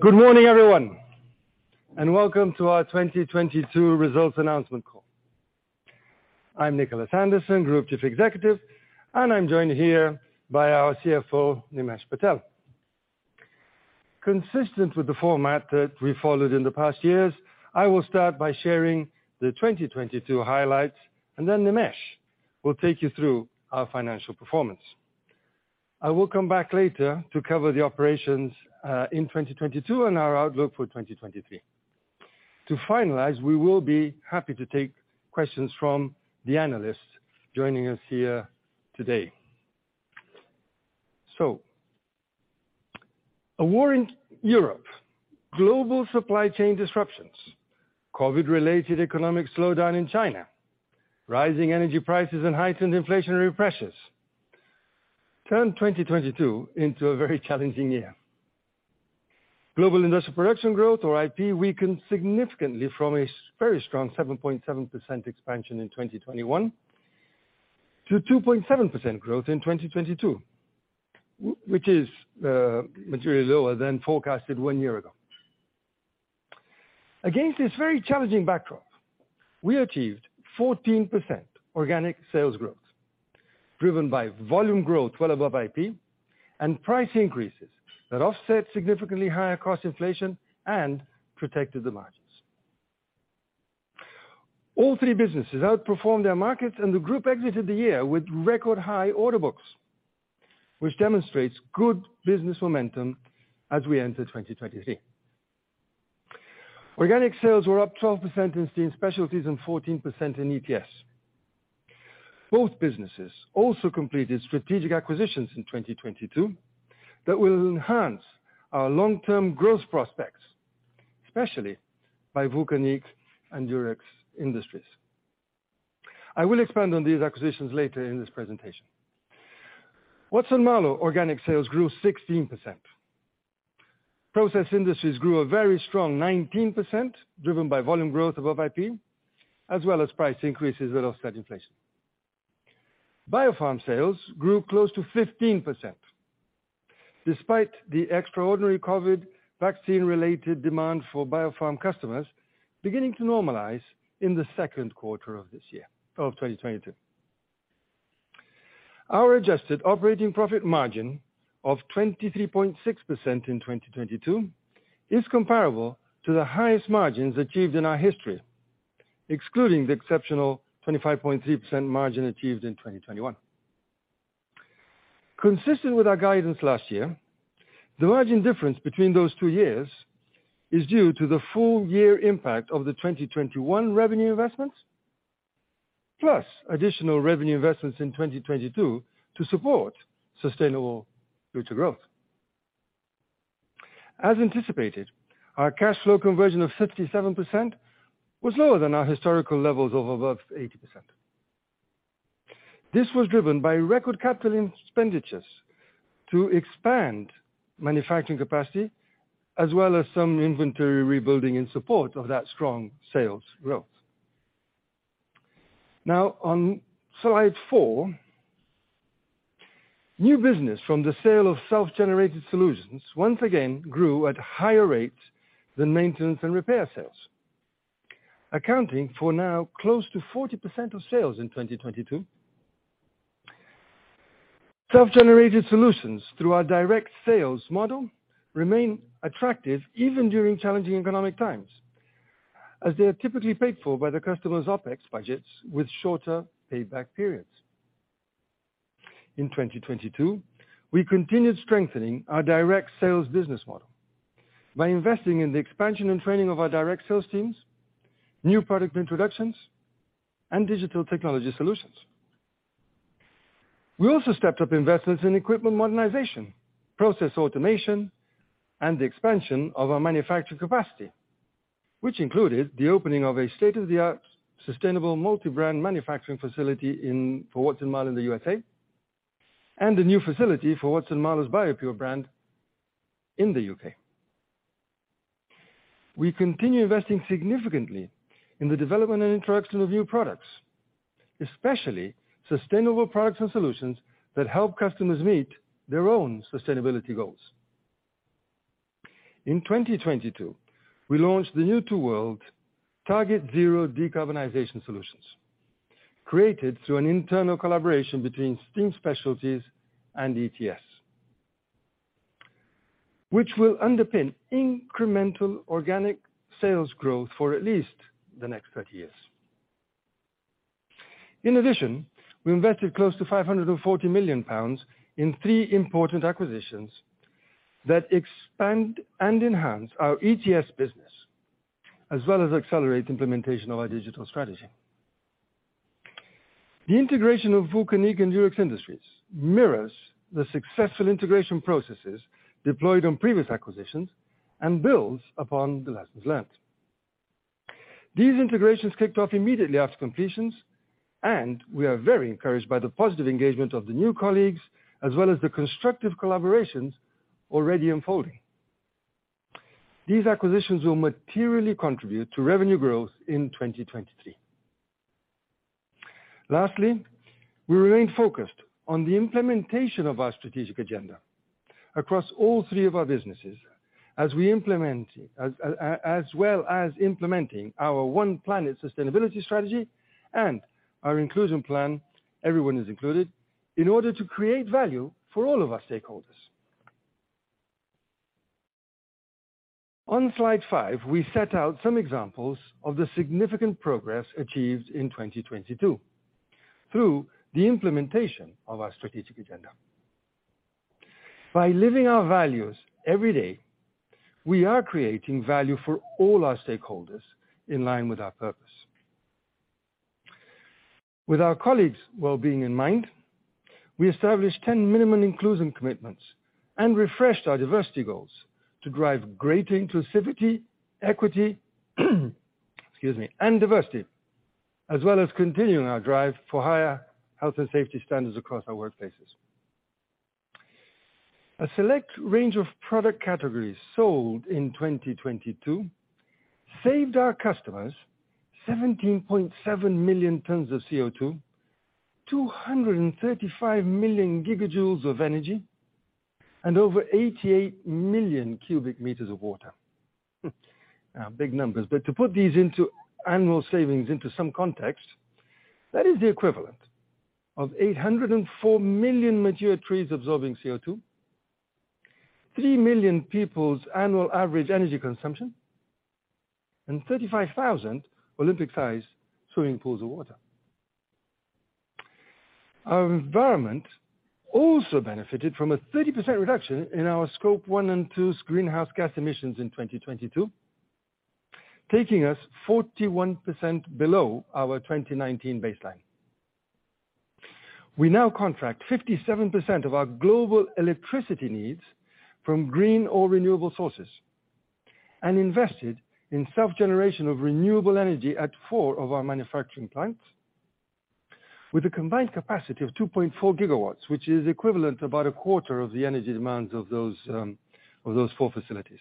Good morning, everyone, welcome to our 2022 results announcement call. I'm Nicholas Anderson, Group Chief Executive, and I'm joined here by our CFO, Nimesh Patel. Consistent with the format that we followed in the past years, I will start by sharing the 2022 highlights, and then Nimesh will take you through our financial performance. I will come back later to cover the operations in 2022 and our outlook for 2023. To finalize, we will be happy to take questions from the analysts joining us here today. A war in Europe, global supply chain disruptions, COVID-related economic slowdown in China, rising energy prices and heightened inflationary pressures turned 2022 into a very challenging year. Global industrial production growth, or IP, weakened significantly from a very strong 7.7% expansion in 2021 to 2.7% growth in 2022, which is materially lower than forecasted one year ago. Against this very challenging backdrop, we achieved 14% organic sales growth, driven by volume growth well above IP and price increases that offset significantly higher cost inflation and protected the margins. All three businesses outperformed their markets. The group exited the year with record high order books, which demonstrates good business momentum as we enter 2023. Organic sales were up 12% in Steam Specialties and 14% in ETS. Both businesses also completed strategic acquisitions in 2022 that will enhance our long-term growth prospects, especially by Vulcanic and Durex Industries. I will expand on these acquisitions later in this presentation. Watson-Marlow organic sales grew 16%. Process Industries grew a very strong 19%, driven by volume growth above IP, as well as price increases that offset inflation. Biopharm sales grew close to 15%, despite the extraordinary COVID vaccine-related demand for Biopharm customers beginning to normalize in the second quarter of this year, of 2022. Our adjusted operating profit margin of 23.6% in 2022 is comparable to the highest margins achieved in our history, excluding the exceptional 25.3% margin achieved in 2021. Consistent with our guidance last year, the margin difference between those two years is due to the full year impact of the 2021 revenue investments, plus additional revenue investments in 2022 to support sustainable future growth. As anticipated, our cash flow conversion of 57% was lower than our historical levels of above 80%. This was driven by record capital expenditures to expand manufacturing capacity as well as some inventory rebuilding in support of that strong sales growth. On slide 4, new business from the sale of self-generated solutions once again grew at higher rates than maintenance and repair sales, accounting for now close to 40% of sales in 2022. Self-generated solutions through our direct sales model remain attractive even during challenging economic times, as they are typically paid for by the customer's OpEx budgets with shorter payback periods. In 2022, we continued strengthening our direct sales business model by investing in the expansion and training of our direct sales teams, new product introductions, and digital technology solutions. We also stepped up investments in equipment modernization, process automation, and the expansion of our manufacturing capacity, which included the opening of a state-of-the-art sustainable multi-brand manufacturing facility for Watson-Marlow in the USA and a new facility for Watson-Marlow's BioPure brand in the U.K. We continue investing significantly in the development and introduction of new products, especially sustainable products and solutions that help customers meet their own sustainability goals. In 2022, we launched the New to World TargetZero Decarbonization solutions, created through an internal collaboration between Steam Specialties and ETS, which will underpin incremental organic sales growth for at least the next 30 years. We invested close to 540 million pounds in three important acquisitions that expand and enhance our ETS business, as well as accelerate implementation of our digital strategy. The integration of Vulcanic and Durex Industries mirrors the successful integration processes deployed on previous acquisitions and builds upon the lessons learned. These integrations kicked off immediately after completions, and we are very encouraged by the positive engagement of the new colleagues, as well as the constructive collaborations already unfolding. These acquisitions will materially contribute to revenue growth in 2023. We remain focused on the implementation of our strategic agenda across all three of our businesses as well as implementing our One Planet sustainability strategy and our inclusion plan, Everyone is Included, in order to create value for all of our stakeholders. On slide 5, we set out some examples of the significant progress achieved in 2022 through the implementation of our strategic agenda. By living our values every day, we are creating value for all our stakeholders in line with our purpose. With our colleagues' well-being in mind, we established 10 minimum inclusion commitments and refreshed our diversity goals to drive greater inclusivity, equity excuse me, and diversity, as well as continuing our drive for higher health and safety standards across our workplaces. A select range of product categories sold in 2022 saved our customers 17.7 million tons of CO₂, 235 million gigajoules of energy, and over 88 million cubic meters of water. Big numbers, to put these into annual savings into some context, that is the equivalent of 804 million mature trees absorbing CO₂, 3 million people's annual average energy consumption, and 35,000 Olympic-size swimming pools of water. Our environment also benefited from a 30% reduction in our Scope 1 and 2's greenhouse gas emissions in 2022, taking us 41% below our 2019 baseline. We now contract 57% of our global electricity needs from green or renewable sources and invested in self-generation of renewable energy at four of our manufacturing plants with a combined capacity of 2.4 GW, which is equivalent to about a quarter of the energy demands of those four facilities.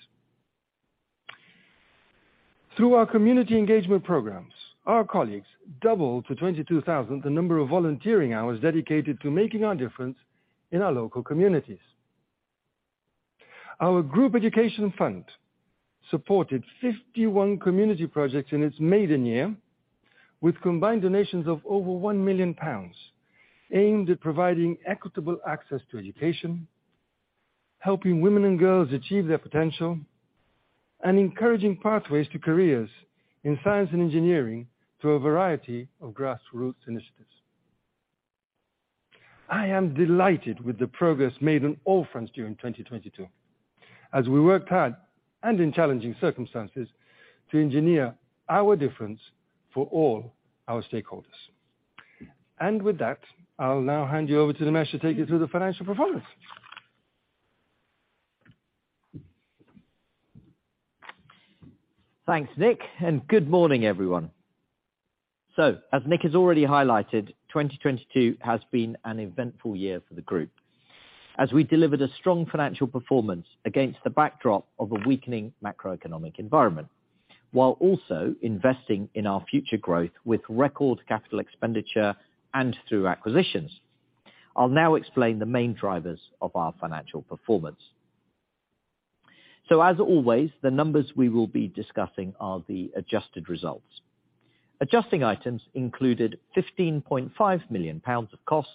Through our community engagement programs, our colleagues doubled to 22,000 the number of volunteering hours dedicated to making our difference in our local communities. Our group education fund supported 51 community projects in its maiden year with combined donations of over 1 million pounds aimed at providing equitable access to education, helping women and girls achieve their potential, and encouraging pathways to careers in science and engineering through a variety of grassroots initiatives. I am delighted with the progress made on all fronts during 2022 as we worked hard and in challenging circumstances to engineer our difference for all our stakeholders. With that, I'll now hand you over to Nimesh to take you through the financial performance. Thanks, Nick, good morning, everyone. As Nick has already highlighted, 2022 has been an eventful year for the group as we delivered a strong financial performance against the backdrop of a weakening macroeconomic environment, while also investing in our future growth with record CapEx and through acquisitions. I'll now explain the main drivers of our financial performance. As always, the numbers we will be discussing are the adjusted results. Adjusting items included 15.5 million pounds of costs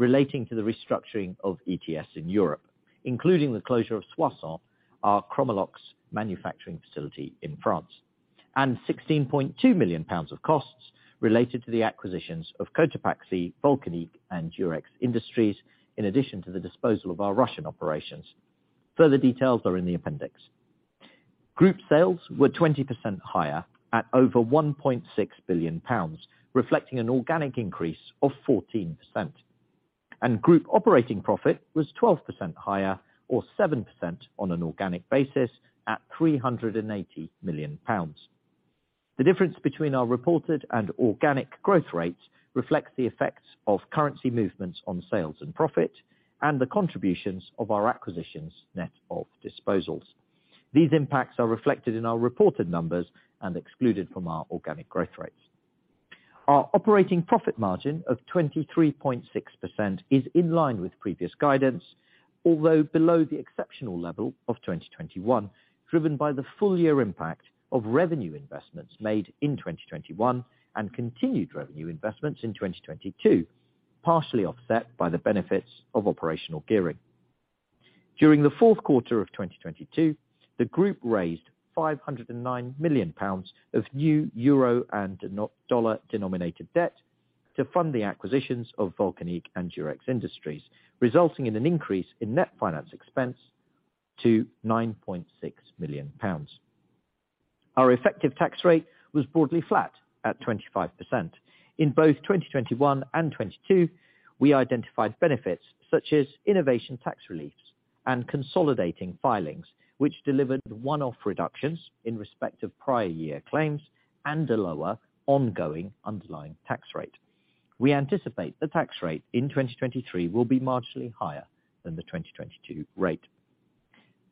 relating to the restructuring of ETS in Europe, including the closure of Soissons, our Chromalox manufacturing facility in France, and 16.2 million pounds of costs related to the acquisitions of Cotopaxi, Vulcanic, and Durex Industries, in addition to the disposal of our Russian operations. Further details are in the appendix. Group sales were 20% higher at over 1.6 billion pounds, reflecting an organic increase of 14%. Group operating profit was 12% higher or 7% on an organic basis at 380 million pounds. The difference between our reported and organic growth rates reflects the effects of currency movements on sales and profit and the contributions of our acquisitions net of disposals. These impacts are reflected in our reported numbers and excluded from our organic growth rates. Our operating profit margin of 23.6% is in line with previous guidance, although below the exceptional level of 2021, driven by the full year impact of revenue investments made in 2021 and continued revenue investments in 2022, partially offset by the benefits of operational gearing. During the fourth quarter of 2022, the group raised 509 million pounds of new euro and dollar-denominated debt to fund the acquisitions of Vulcanic and Durex Industries, resulting in an increase in net finance expense to 9.6 million pounds. Our effective tax rate was broadly flat at 25%. In both 2021 and 2022, we identified benefits such as innovation tax reliefs and consolidating filings, which delivered one-off reductions in respect of prior year claims and a lower ongoing underlying tax rate. We anticipate the tax rate in 2023 will be marginally higher than the 2022 rate.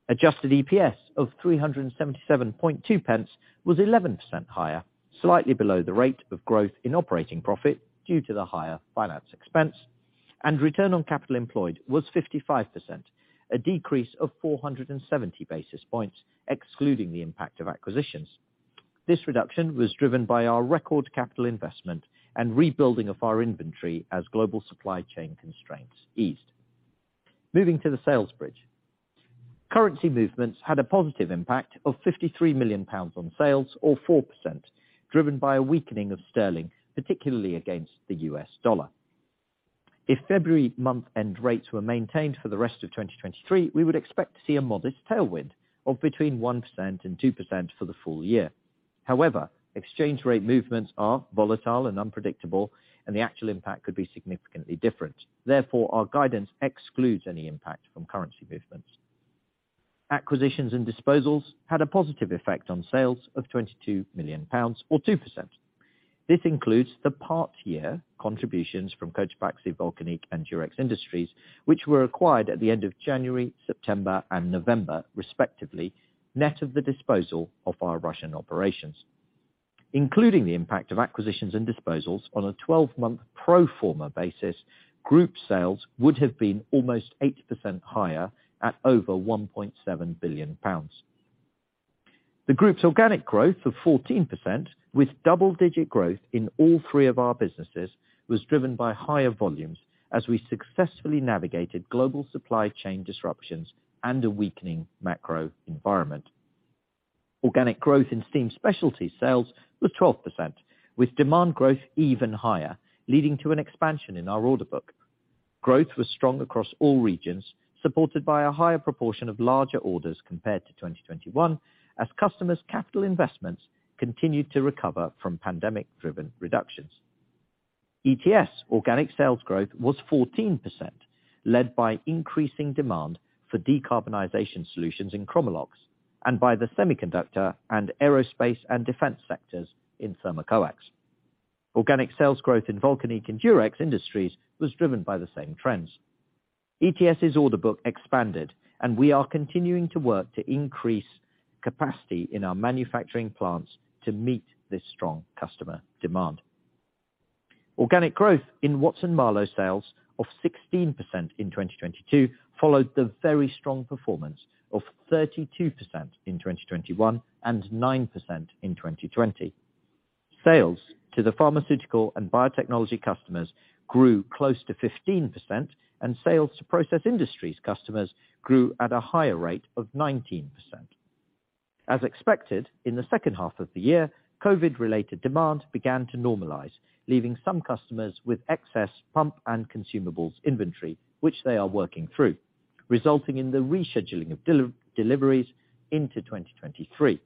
Adjusted EPS of 377.2 pence was 11% higher, slightly below the rate of growth in operating profit due to the higher finance expense. Return on capital employed was 55%, a decrease of 470 basis points excluding the impact of acquisitions. This reduction was driven by our record capital investment and rebuilding of our inventory as global supply chain constraints eased. Moving to the sales bridge. Currency movements had a positive impact of 53 million pounds on sales or 4%, driven by a weakening of sterling, particularly against the US dollar. If February month end rates were maintained for the rest of 2023, we would expect to see a modest tailwind of between 1% and 2% for the full year. However, exchange rate movements are volatile and unpredictable, and the actual impact could be significantly different. Therefore, our guidance excludes any impact from currency movements. Acquisitions and disposals had a positive effect on sales of 22 million pounds or 2%. This includes the part year contributions from Cotopaxi, Vulcanic and Durex Industries, which were acquired at the end of January, September and November respectively, net of the disposal of our Russian operations. Including the impact of acquisitions and disposals on a 12-month pro forma basis, group sales would have been almost 8% higher at over 1.7 billion pounds. The group's organic growth of 14%, with double-digit growth in all three of our businesses, was driven by higher volumes as we successfully navigated global supply chain disruptions and a weakening macro environment. Organic growth in Steam Specialties sales was 12%, with demand growth even higher, leading to an expansion in our order book. Growth was strong across all regions, supported by a higher proportion of larger orders compared to 2021 as customers' capital investments continued to recover from pandemic-driven reductions. ETS organic sales growth was 14%, led by increasing demand for decarbonization solutions in Chromalox and by the semiconductor and aerospace and defense sectors in Thermocoax. Organic sales growth in Vulcanic and Durex Industries was driven by the same trends. ETS's order book expanded, and we are continuing to work to increase capacity in our manufacturing plants to meet this strong customer demand. Organic growth in Watson-Marlow sales of 16% in 2022 followed the very strong performance of 32% in 2021 and 9% in 2020. Sales to the pharmaceutical and biotechnology customers grew close to 15%, and sales to process industries customers grew at a higher rate of 19%. As expected, in the second half of the year, COVID-related demand began to normalize, leaving some customers with excess pump and consumables inventory, which they are working through, resulting in the rescheduling of deliveries into 2023.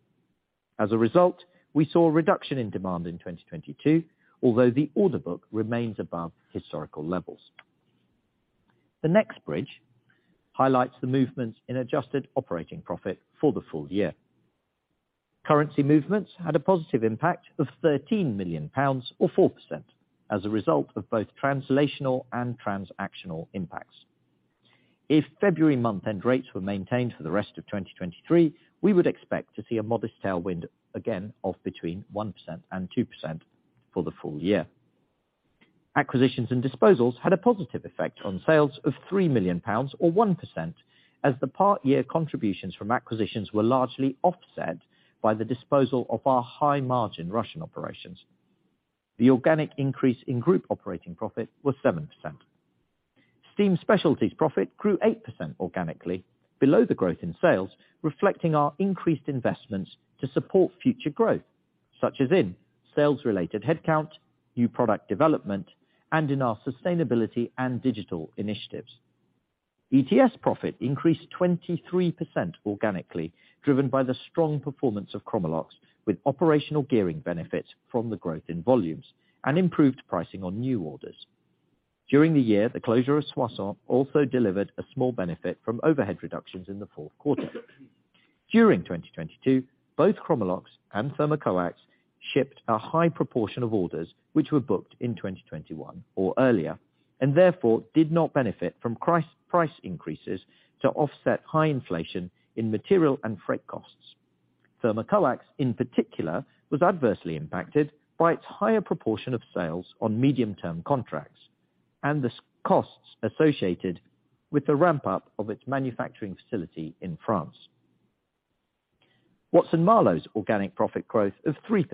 As a result, we saw a reduction in demand in 2022, although the order book remains above historical levels. The next bridge highlights the movements in adjusted operating profit for the full year. Currency movements had a positive impact of 13 million pounds or 4% as a result of both translational and transactional impacts. If February month end rates were maintained for the rest of 2023, we would expect to see a modest tailwind again of between 1% and 2% for the full year. Acquisitions and disposals had a positive effect on sales of 3 million pounds or 1%, as the part year contributions from acquisitions were largely offset by the disposal of our high-margin Russian operations. The organic increase in group operating profit was 7%. Steam Specialties profit grew 8% organically below the growth in sales, reflecting our increased investments to support future growth, such as in sales-related headcount, new product development, and in our sustainability and digital initiatives. ETS profit increased 23% organically, driven by the strong performance of Chromalox, with operational gearing benefits from the growth in volumes and improved pricing on new orders. During the year, the closure of Soissons also delivered a small benefit from overhead reductions in the fourth quarter. During 2022, both Chromalox and Thermocoax shipped a high proportion of orders, which were booked in 2021 or earlier, and therefore did not benefit from price increases to offset high inflation in material and freight costs. Thermocoax, in particular, was adversely impacted by its higher proportion of sales on medium-term contracts and costs associated with the ramp-up of its manufacturing facility in France. Watson-Marlow's organic profit growth of 3%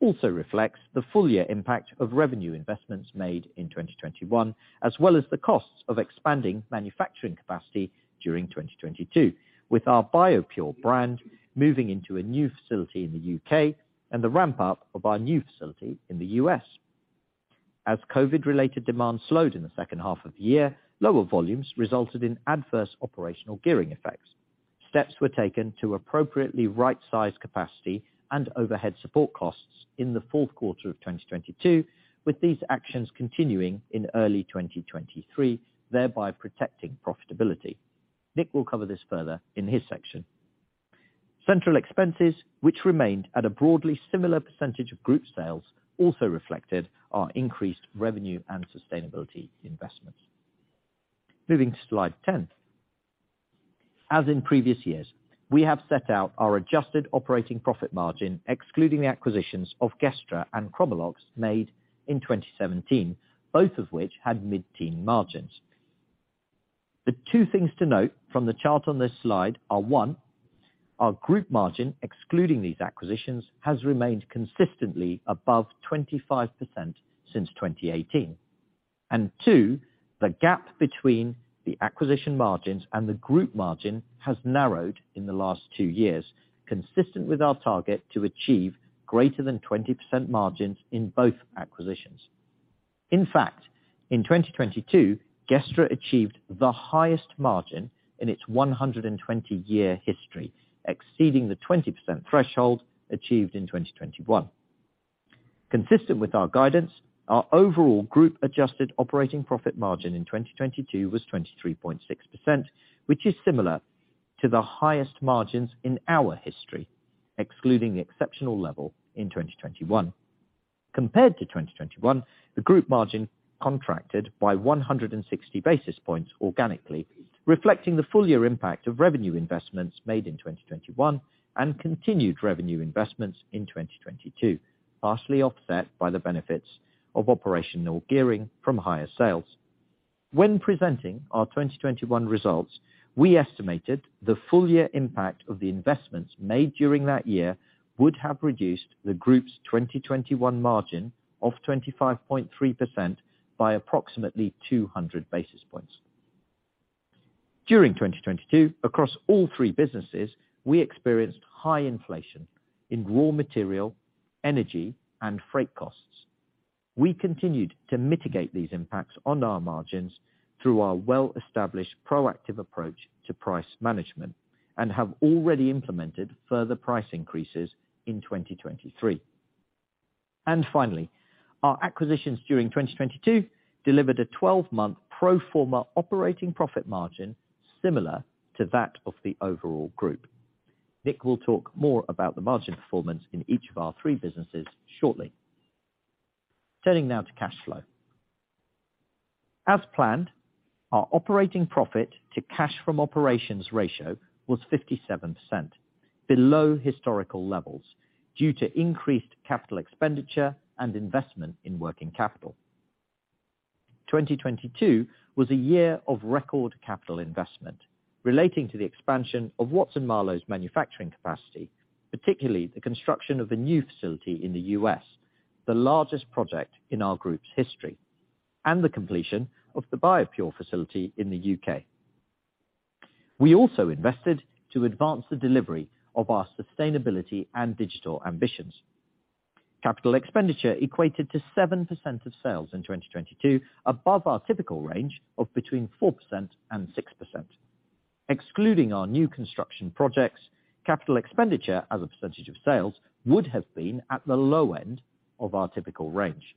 also reflects the full year impact of revenue investments made in 2021, as well as the costs of expanding manufacturing capacity during 2022, with our BioPure brand moving into a new facility in the U.K. and the ramp-up of our new facility in the U.S. As COVID-related demand slowed in the second half of the year, lower volumes resulted in adverse operational gearing effects. Steps were taken to appropriately right-size capacity and overhead support costs in the fourth quarter of 2022, with these actions continuing in early 2023, thereby protecting profitability. Nick will cover this further in his section. Central expenses, which remained at a broadly similar percentage of group sales, also reflected our increased revenue and sustainability investments. Moving to slide 10. As in previous years, we have set out our adjusted operating profit margin, excluding the acquisitions of Gestra and Chromalox made in 2017, both of which had mid-teen margins. The two things to note from the chart on this slide are, one, our group margin, excluding these acquisitions, has remained consistently above 25% since 2018. Two, the gap between the acquisition margins and the group margin has narrowed in the last 2 years, consistent with our target to achieve greater than 20% margins in both acquisitions. In fact, in 2022, Gestra achieved the highest margin in its 120-year history, exceeding the 20% threshold achieved in 2021. Consistent with our guidance, our overall group adjusted operating profit margin in 2022 was 23.6%, which is similar to the highest margins in our history, excluding the exceptional level in 2021. Compared to 2021, the group margin contracted by 160 basis points organically, reflecting the full year impact of revenue investments made in 2021 and continued revenue investments in 2022, partially offset by the benefits of operational gearing from higher sales. When presenting our 2021 results, we estimated the full year impact of the investments made during that year would have reduced the group's 2021 margin of 25.3% by approximately 200 basis points. During 2022, across all three businesses, we experienced high inflation in raw material, energy, and freight costs. We continued to mitigate these impacts on our margins through our well-established proactive approach to price management, and have already implemented further price increases in 2023. Finally, our acquisitions during 2022 delivered a 12-month pro forma operating profit margin similar to that of the overall group. Nick will talk more about the margin performance in each of our three businesses shortly. Turning now to cash flow. As planned, our operating profit to cash from operations ratio was 57%, below historical levels, due to increased capital expenditure and investment in working capital. 2022 was a year of record capital investment relating to the expansion of Watson-Marlow's manufacturing capacity, particularly the construction of a new facility in the U.S., the largest project in our group's history, and the completion of the BioPure facility in the U.K. We also invested to advance the delivery of our sustainability and digital ambitions. Capital expenditure equated to 7% of sales in 2022, above our typical range of between 4% and 6%. Excluding our new construction projects, capital expenditure as a percentage of sales would have been at the low end of our typical range.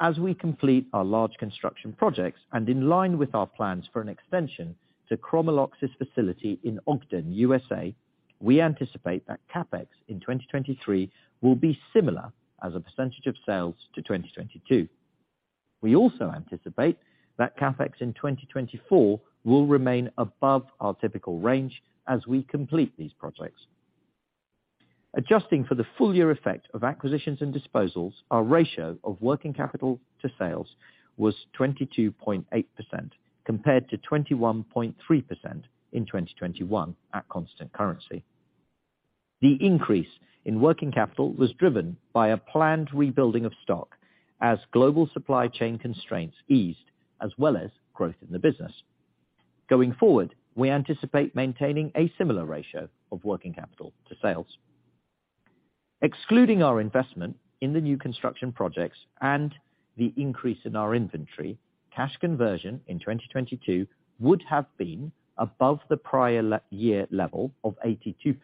As we complete our large construction projects and in line with our plans for an extension to Chromalox's facility in Ogden, U.S.A., we anticipate that CapEx in 2023 will be similar as a % of sales to 2022. We also anticipate that CapEx in 2024 will remain above our typical range as we complete these projects. Adjusting for the full year effect of acquisitions and disposals, our ratio of working capital to sales was 22.8% compared to 21.3% in 2021 at constant currency. The increase in working capital was driven by a planned rebuilding of stock as global supply chain constraints eased, as well as growth in the business. Going forward, we anticipate maintaining a similar ratio of working capital to sales. Excluding our investment in the new construction projects and the increase in our inventory, cash conversion in 2022 would have been above the prior year level of 82%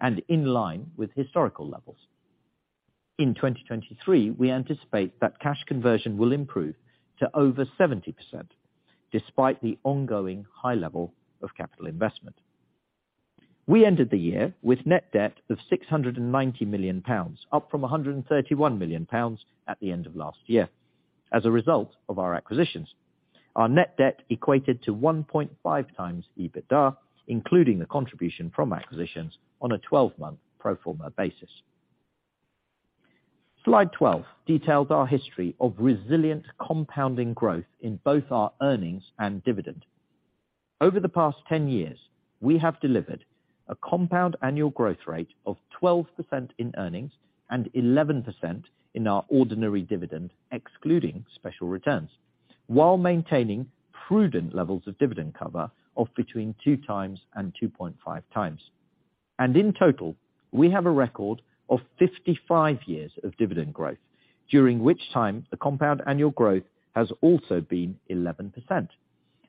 and in line with historical levels. In 2023, we anticipate that cash conversion will improve to over 70% despite the ongoing high level of capital investment. We ended the year with net debt of 690 million pounds, up from 131 million pounds at the end of last year as a result of our acquisitions. Our net debt equated to 1.5x EBITDA, including the contribution from acquisitions on a 12-month pro forma basis. Slide 12 details our history of resilient compounding growth in both our earnings and dividend. Over the past 10 years, we have delivered a compound annual growth rate of 12% in earnings and 11% in our ordinary dividend, excluding special returns, while maintaining prudent levels of dividend cover of between 2x and 2.5x. In total, we have a record of 55 years of dividend growth, during which time, the compound annual growth has also been 11%,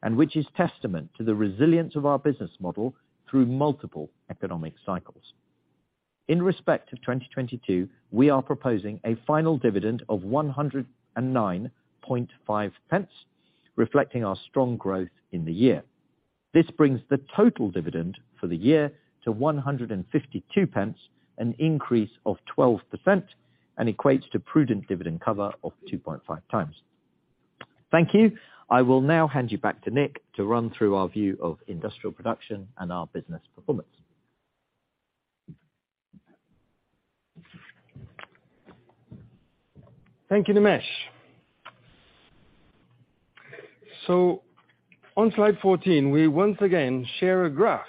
and which is testament to the resilience of our business model through multiple economic cycles. In respect to 2022, we are proposing a final dividend of 109.5 pence, reflecting our strong growth in the year. This brings the total dividend for the year to 152 pence, an increase of 12%, and equates to prudent dividend cover of 2.5x. Thank you. I will now hand you back to Nick to run through our view of industrial production and our business performance. Thank you, Nimesh. On slide 14, we once again share a graph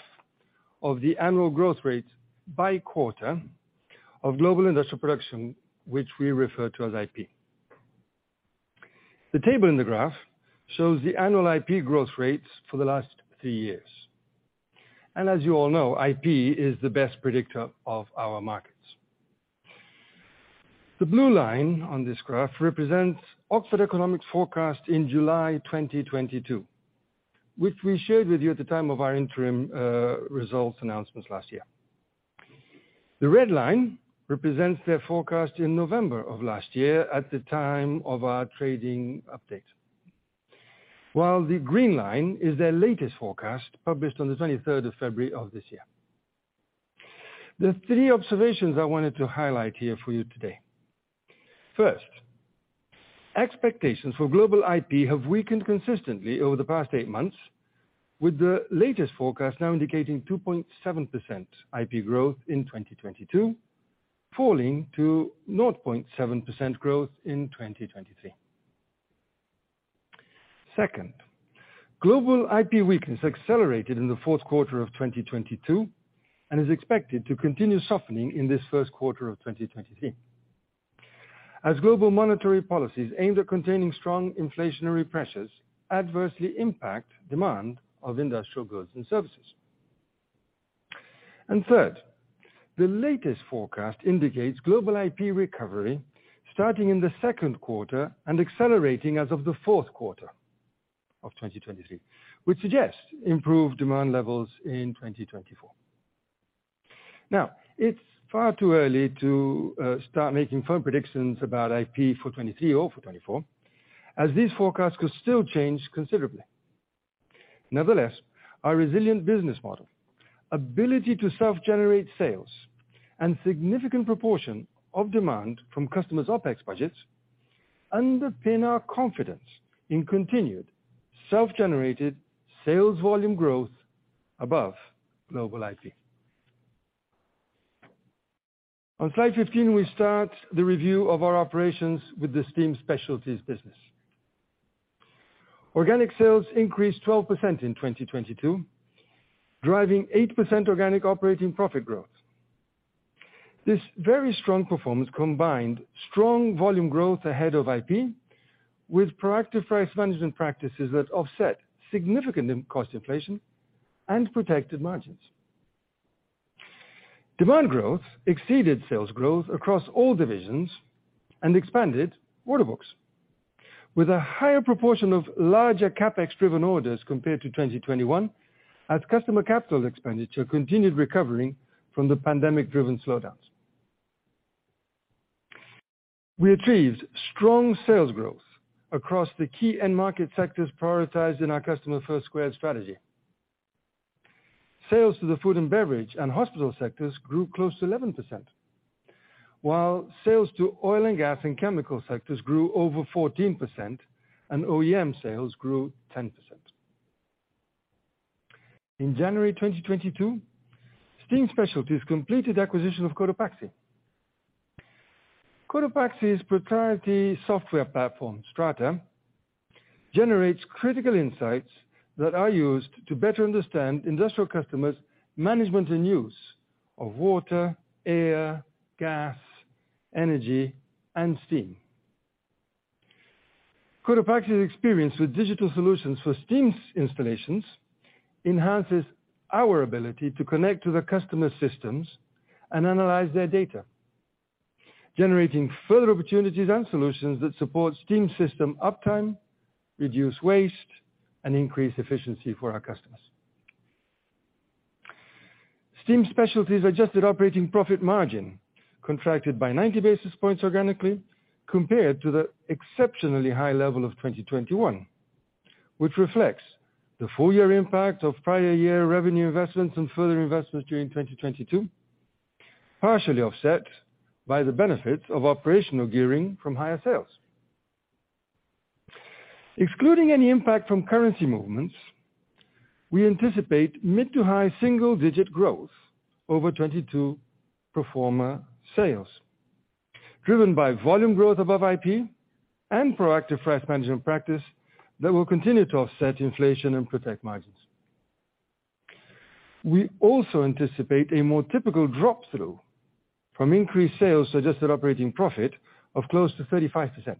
of the annual growth rate by quarter of global industrial production, which we refer to as IP. The table in the graph shows the annual IP growth rates for the last three years. As you all know, IP is the best predictor of our markets. The blue line on this graph represents Oxford Economics forecast in July 2022, which we shared with you at the time of our interim results announcements last year. The red line represents their forecast in November of last year at the time of our trading update. While the green line is their latest forecast, published on the 23rd of February of this year. There are three observations I wanted to highlight here for you today. First, expectations for global IP have weakened consistently over the past eight months, with the latest forecast now indicating 2.7% IP growth in 2022, falling to 0.7% growth in 2023. Second, global IP weakness accelerated in the fourth quarter of 2022 and is expected to continue softening in this first quarter of 2023 as global monetary policies aimed at containing strong inflationary pressures adversely impact demand of industrial goods and services. Third, the latest forecast indicates global IP recovery starting in the second quarter and accelerating as of the fourth quarter of 2023, which suggests improved demand levels in 2024. Now, it's far too early to start making firm predictions about IP for 2023 or for 2024, as these forecasts could still change considerably. Nevertheless, our resilient business model, ability to self-generate sales, and significant proportion of demand from customers' OpEx budgets underpin our confidence in continued self-generated sales volume growth above global IP. On slide 15, we start the review of our operations with the Steam Specialties business. Organic sales increased 12% in 2022, driving 8% organic operating profit growth. This very strong performance combined strong volume growth ahead of IP with proactive price management practices that offset significant cost inflation and protected margins. Demand growth exceeded sales growth across all divisions and expanded order books with a higher proportion of larger CapEx-driven orders compared to 2021, as customer capital expenditure continued recovering from the pandemic-driven slowdowns. We achieved strong sales growth across the key end market sectors prioritized in our Customer First² strategy. Sales to the food and beverage and hospital sectors grew close to 11%, while sales to oil and gas and chemical sectors grew over 14%, and OEM sales grew 10%. In January 2022, Steam Specialties completed acquisition of Cotopaxi. Cotopaxi's proprietary software platform, Strata, generates critical insights that are used to better understand industrial customers' management and use of water, air, gas, energy, and steam. Cotopaxi's experience with digital solutions for steam installations enhances our ability to connect to the customer systems and analyze their data, generating further opportunities and solutions that support steam system uptime, reduce waste, and increase efficiency for our customers. Steam Specialties adjusted operating profit margin contracted by 90 basis points organically compared to the exceptionally high level of 2021, which reflects the full-year impact of prior year revenue investments and further investments during 2022, partially offset by the benefits of operational gearing from higher sales. Excluding any impact from currency movements, we anticipate mid-to-high single-digit growth over 2022 pro forma sales driven by volume growth above IP and proactive price management practice that will continue to offset inflation and protect margins. We also anticipate a more typical drop-through from increased sales suggested operating profit of close to 35%,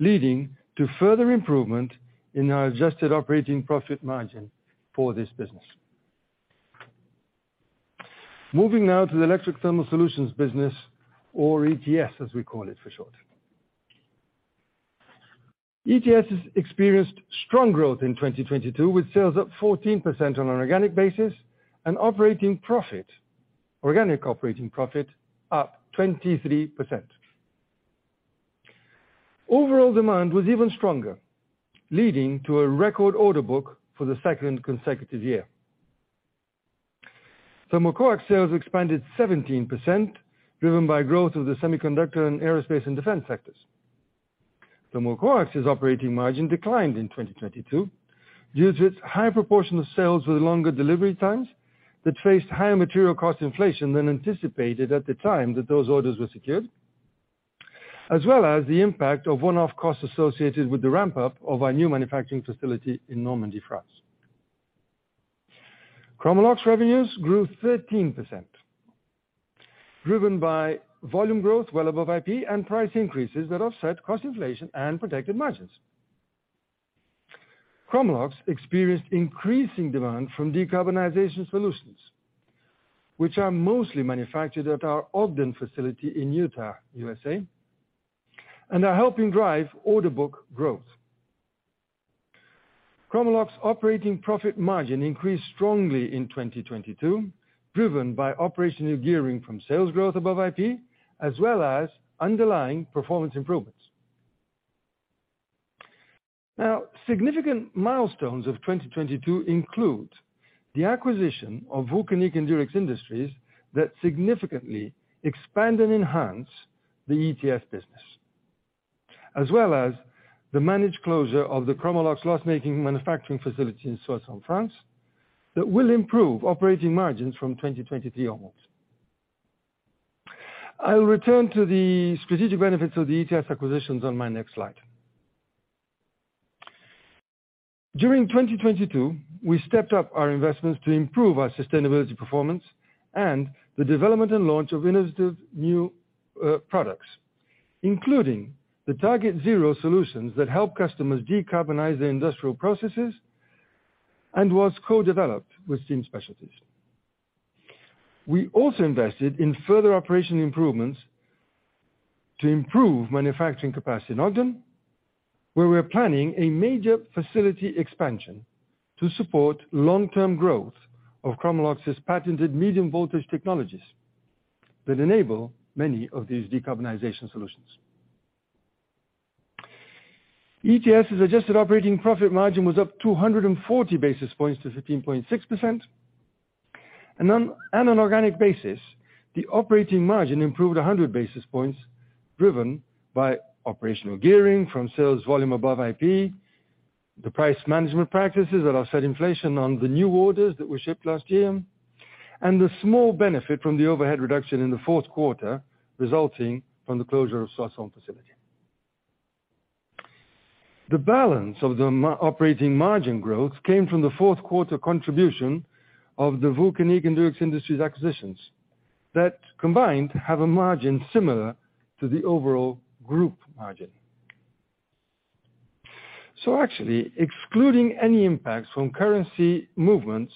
leading to further improvement in our adjusted operating profit margin for this business. Moving now to the Electric Thermal Solutions business, or ETS, as we call it for short. ETS has experienced strong growth in 2022, with sales up 14% on an organic basis and operating profit, organic operating profit up 23%. Overall demand was even stronger, leading to a record order book for the second consecutive year. Thermocoax sales expanded 17% driven by growth of the semiconductor and aerospace and defense sectors. Thermocoax's operating margin declined in 2022 due to its high proportion of sales with longer delivery times that faced higher material cost inflation than anticipated at the time that those orders were secured, as well as the impact of one-off costs associated with the ramp-up of our new manufacturing facility in Normandy, France. Chromalox revenues grew 13%, driven by volume growth well above IP and price increases that offset cost inflation and protected margins. Chromalox experienced increasing demand from decarbonization solutions, which are mostly manufactured at our Ogden facility in Utah, U.S.A., and are helping drive order book growth. Chromalox operating profit margin increased strongly in 2022, driven by operational gearing from sales growth above IP, as well as underlying performance improvements. Significant milestones of 2022 include the acquisition of Vulcanic and Durex Industries that significantly expand and enhance the ETS business, as well as the managed closure of the Chromalox loss-making manufacturing facility in Soissons, France, that will improve operating margins from 2023 onwards. I'll return to the strategic benefits of the ETS acquisitions on my next slide. During 2022, we stepped up our investments to improve our sustainability performance and the development and launch of innovative new products, including the TargetZero solutions that help customers decarbonize their industrial processes and was co-developed with Steam Specialties. We also invested in further operation improvements to improve manufacturing capacity in Ogden, where we're planning a major facility expansion to support long-term growth of Chromalox's patented medium-voltage technologies that enable many of these decarbonization solutions. ETS' adjusted operating profit margin was up 240 basis points to 15.6%. On an organic basis, the operating margin improved 100 basis points driven by operational gearing from sales volume above IP, the price management practices that are set inflation on the new orders that were shipped last year, and the small benefit from the overhead reduction in the fourth quarter resulting from the closure of Soissons facility. The balance of the operating margin growth came from the fourth quarter contribution of the Vulcanic and Durex Industries acquisitions that combined have a margin similar to the overall group margin. Actually, excluding any impacts from currency movements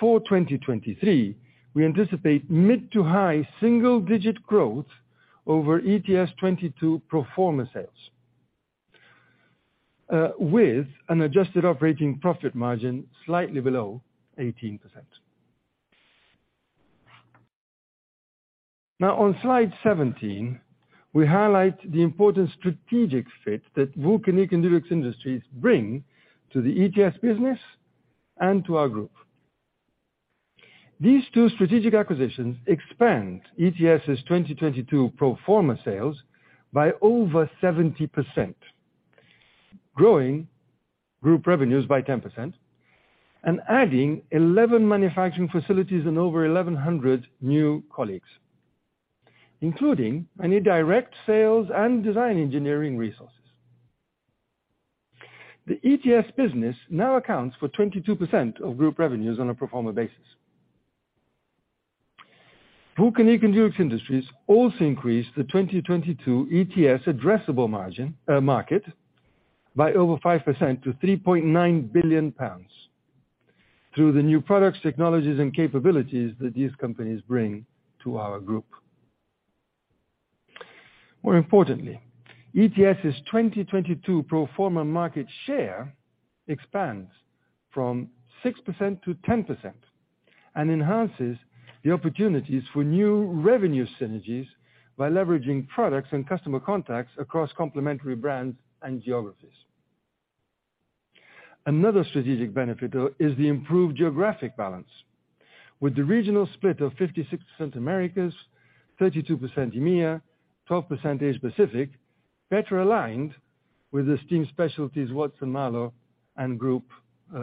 for 2023, we anticipate mid to high single-digit growth over ETS 2022 pro forma sales, with an adjusted operating profit margin slightly below 18%. On slide 17, we highlight the important strategic fit that Vulcanic and Durex Industries bring to the ETS business and to our group. These two strategic acquisitions expand ETS's 2022 pro forma sales by over 70%, growing group revenues by 10% and adding 11 manufacturing facilities and over 1,100 new colleagues, including many direct sales and design engineering resources. The ETS business now accounts for 22% of group revenues on a pro forma basis. Vulcanic and Durex Industries also increased the 2022 ETS addressable market by over 5% to 3.9 billion pounds through the new products, technologies, and capabilities that these companies bring to our group. More importantly, ETS's 2022 pro forma market share expands from 6% to 10% and enhances the opportunities for new revenue synergies by leveraging products and customer contacts across complementary brands and geographies. Another strategic benefit, though, is the improved geographic balance. With the regional split of 56% Americas, 32% EMEIA, 12% Asia Pacific, better aligned with the Steam Specialties, Watson-Marlow, and group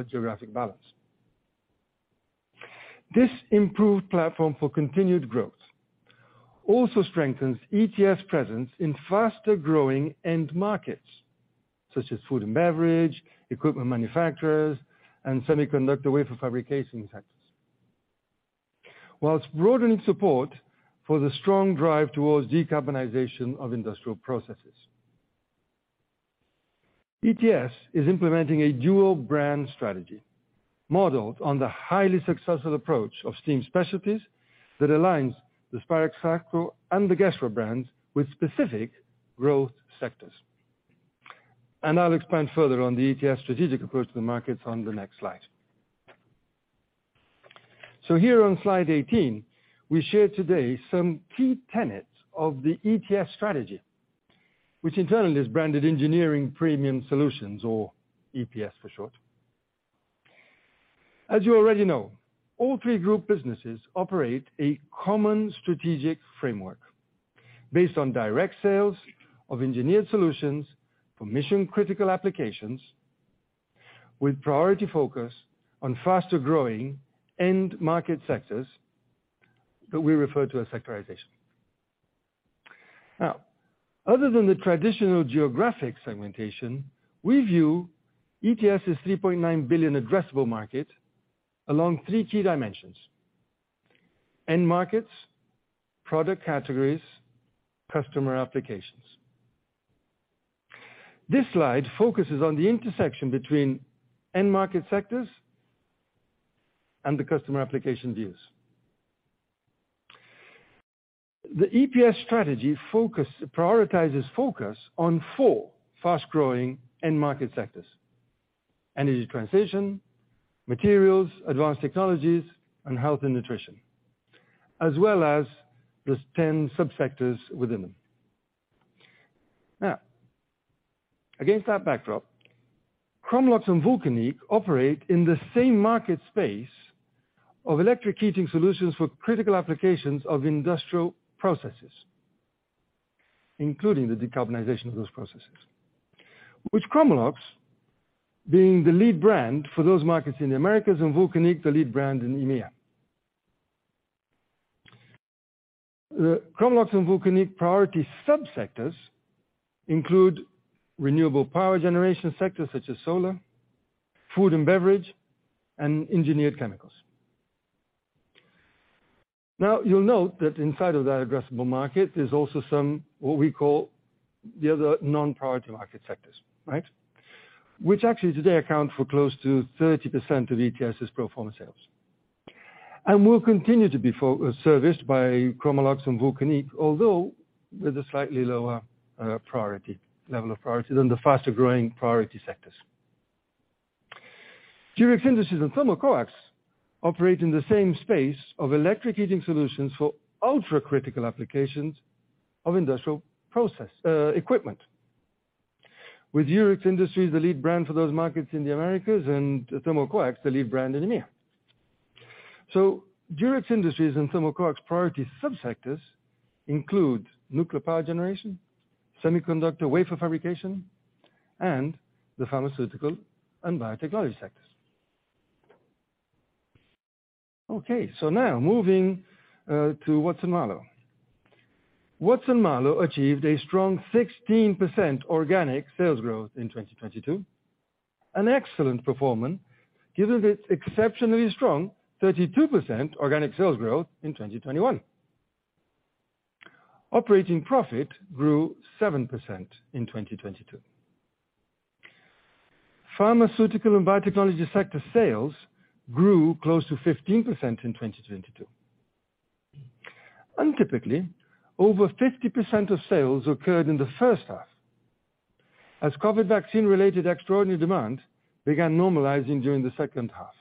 geographic balance. This improved platform for continued growth also strengthens ETS presence in faster-growing end markets, such as food and beverage, equipment manufacturers, and semiconductor wafer fabrication sectors. While broadening support for the strong drive towards decarbonization of industrial processes. ETS is implementing a dual brand strategy. Modeled on the highly successful approach of Steam Specialties that aligns the Spirax Sarco, and the Gestra brands with specific growth sectors. I'll expand further on the ETS strategic approach to the markets on the next slide. Here on slide 18, we share today some key tenets of the ETS strategy, which internally is branded Engineering Premium Solutions or EPS for short. As you already know, all three group businesses operate a common strategic framework based on direct sales of engineered solutions for mission-critical applications with priority focus on faster-growing end market sectors that we refer to as sectorization. Other than the traditional geographic segmentation, we view ETS as 3.9 billion addressable market along three key dimensions: end markets, product categories, customer applications. This slide focuses on the intersection between end market sectors and the customer application views. The EPS strategy prioritizes focus on four fast-growing end market sectors: energy transition, materials, advanced technologies, and health and nutrition, as well as the 10 subsectors within them. Against that backdrop, Chromalox and Vulcanic operate in the same market space of electric heating solutions for critical applications of industrial processes, including the decarbonization of those processes. With Chromalox being the lead brand for those markets in the Americas, and Vulcanic, the lead brand in EMEA. The Chromalox and Vulcanic priority subsectors include renewable power generation sectors such as solar, food and beverage, and engineered chemicals. You'll note that inside of that addressable market, there's also some what we call the other non-priority market sectors, right? Which actually today account for close to 30% of ETS's pro forma sales. Will continue to be serviced by Chromalox and Vulcanic, although with a slightly lower level of priority than the faster-growing priority sectors. Durex Industries and Thermocoax operate in the same space of electric heating solutions for ultra-critical applications of industrial process equipment. With Durex Industries the lead brand for those markets in the Americas and Thermocoax the lead brand in EMEA. Durex Industries and Thermocoax priority subsectors include nuclear power generation, semiconductor wafer fabrication, and the pharmaceutical and biotechnology sectors. Okay, now moving to Watson-Marlow. Watson-Marlow achieved a strong 16% organic sales growth in 2022, an excellent performance given its exceptionally strong 32% organic sales growth in 2021. Operating profit grew 7% in 2022. Pharmaceutical and biotechnology sector sales grew close to 15% in 2022. Typically, over 50% of sales occurred in the first half, as COVID vaccine-related extraordinary demand began normalizing during the second half,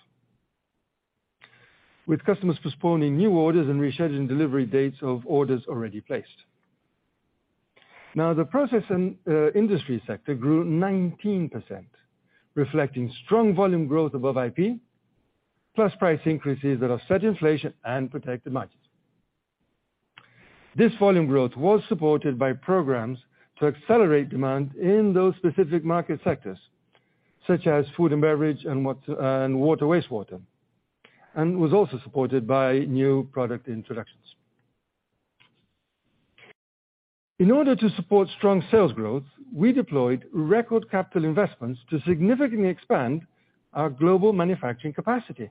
with customers postponing new orders and rescheduling delivery dates of orders already placed. The process and industry sector grew 19%, reflecting strong volume growth above IP, plus price increases that are set inflation and protect the margins. This volume growth was supported by programs to accelerate demand in those specific market sectors, such as food and beverage and water wastewater, and was also supported by new product introductions. In order to support strong sales growth, we deployed record capital investments to significantly expand our global manufacturing capacity.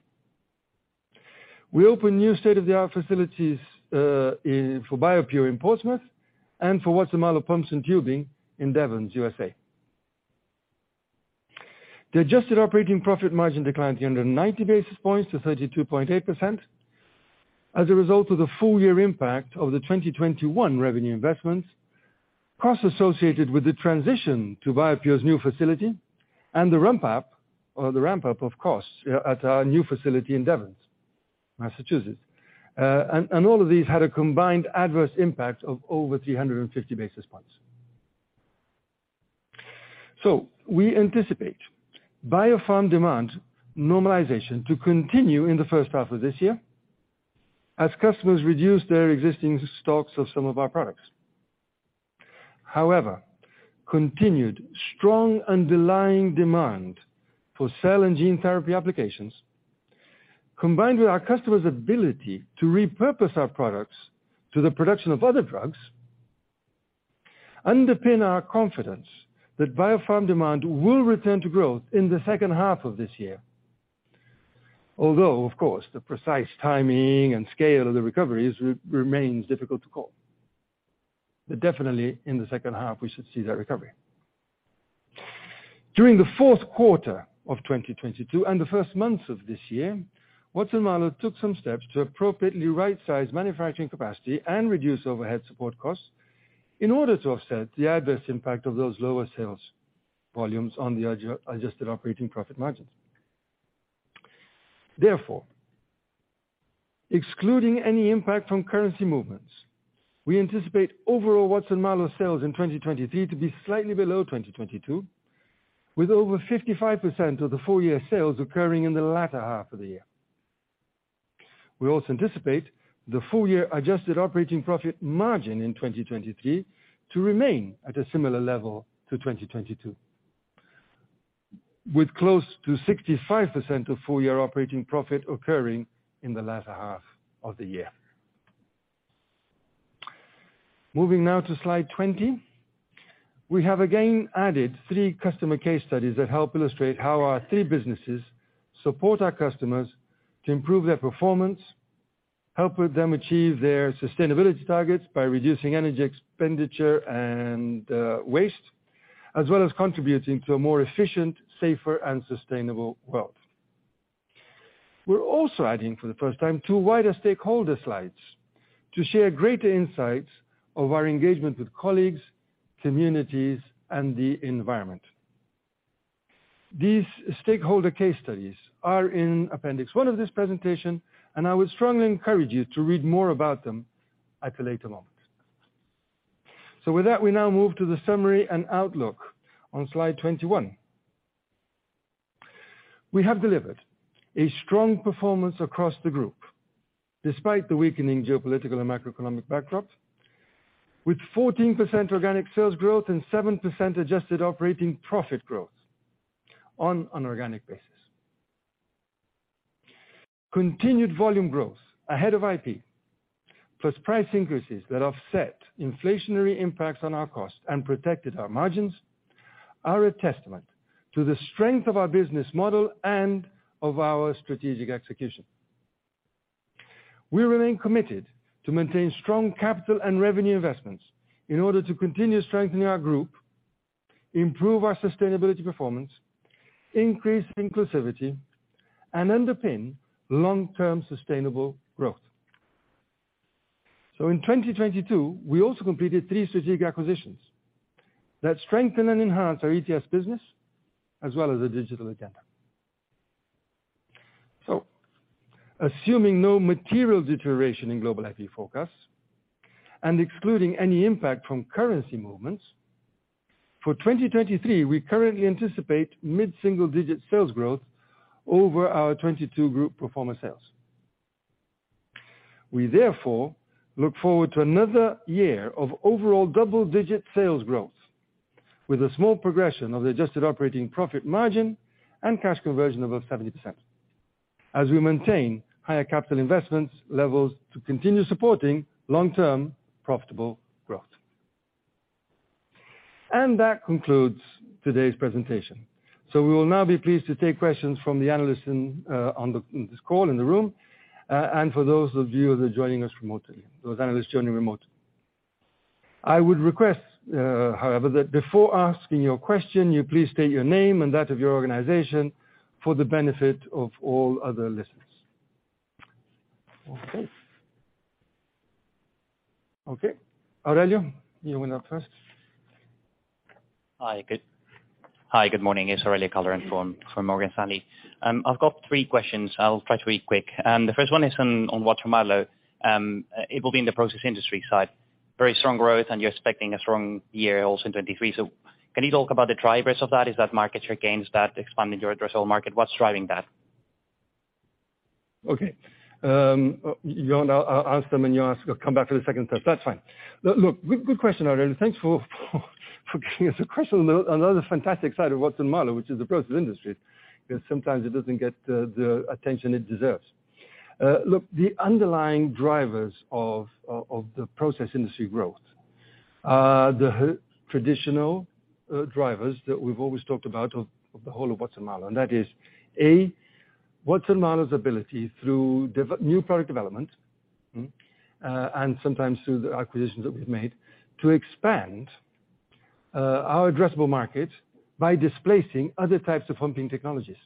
We opened new state-of-the-art facilities for BioPure in Portsmouth and for Watson-Marlow pumps and tubing in Devens, U.S.A. The adjusted operating profit margin declined 390 basis points to 32.8% as a result of the full-year impact of the 2021 revenue investments, costs associated with the transition to BioPure's new facility, and the ramp-up of costs at our new facility in Devens, Massachusetts. All of these had a combined adverse impact of over 350 basis points. We anticipate biopharm demand normalization to continue in the first half of this year as customers reduce their existing stocks of some of our products. However, continued strong underlying demand for cell and gene therapy applications, combined with our customers' ability to repurpose our products to the production of other drugs, underpin our confidence that biopharm demand will return to growth in the second half of this year. Although, of course, the precise timing and scale of the recovery remains difficult to call. Definitely in the second half we should see that recovery. During the fourth quarter of 2022 and the first months of this year, Watson-Marlow took some steps to appropriately right-size manufacturing capacity and reduce overhead support costs in order to offset the adverse impact of those lower sales volumes on the adjusted operating profit margins. Therefore, excluding any impact from currency movements, we anticipate overall Watson-Marlow sales in 2023 to be slightly below 2022, with over 55% of the full year sales occurring in the latter half of the year. We also anticipate the full year adjusted operating profit margin in 2023 to remain at a similar level to 2022, with close to 65% of full year operating profit occurring in the latter half of the year. Moving now to slide 20. We have again added three customer case studies that help illustrate how our three businesses support our customers to improve their performance, help with them achieve their sustainability targets by reducing energy expenditure and waste, as well as contributing to a more efficient, safer and sustainable world. We're also adding, for the first time, two wider stakeholder slides to share greater insights of our engagement with colleagues, communities, and the environment. These stakeholder case studies are in appendix one of this presentation, I would strongly encourage you to read more about them at a later moment. With that, we now move to the summary and outlook on slide 21. We have delivered a strong performance across the group, despite the weakening geopolitical and macroeconomic backdrop, with 14% organic sales growth and 7% adjusted operating profit growth on an organic basis. Continued volume growth ahead of IP, plus price increases that offset inflationary impacts on our cost and protected our margins, are a testament to the strength of our business model and of our strategic execution. We remain committed to maintain strong capital and revenue investments in order to continue strengthening our group, improve our sustainability performance, increase inclusivity, and underpin long-term sustainable growth. In 2022, we also completed three strategic acquisitions that strengthen and enhance our ETS business as well as the digital agenda. Assuming no material deterioration in global IP forecasts and excluding any impact from currency movements, for 2023, we currently anticipate mid-single digit sales growth over our 22 group performance sales. We therefore look forward to another year of overall double-digit sales growth with a small progression of the adjusted operating profit margin and cash conversion above 70% as we maintain higher capital investments levels to continue supporting long-term profitable growth. That concludes today's presentation. We will now be pleased to take questions from the analysts in this call in the room, and for those of you that are joining us remotely, those analysts joining remotely. I would request, however, that before asking your question, you please state your name and that of your organization for the benefit of all other listeners. Okay. Okay. Aurelio, you went up first. Hi, good morning. It's Aurelio Calderon from Morgan Stanley. I've got three questions. I'll try to be quick. The first one is on Watson-Marlow. It will be in the process industry side. Very strong growth and you're expecting a strong year also in 2023. Can you talk about the drivers of that? Is that market share gains, that expanding your addressable market? What's driving that? You wanna I ask them and you ask, come back for the second set? That's fine. Look, good question, Aurelio. Thanks for giving us a question on another fantastic side of Watson-Marlow, which is the process industry, 'cause sometimes it doesn't get the attention it deserves. Look, the underlying drivers of the process industry growth are the traditional drivers that we've always talked about of the whole of Watson-Marlow, and that is A, Watson-Marlow's ability through new product development, and sometimes through the acquisitions that we've made, to expand our addressable market by displacing other types of pumping technologies.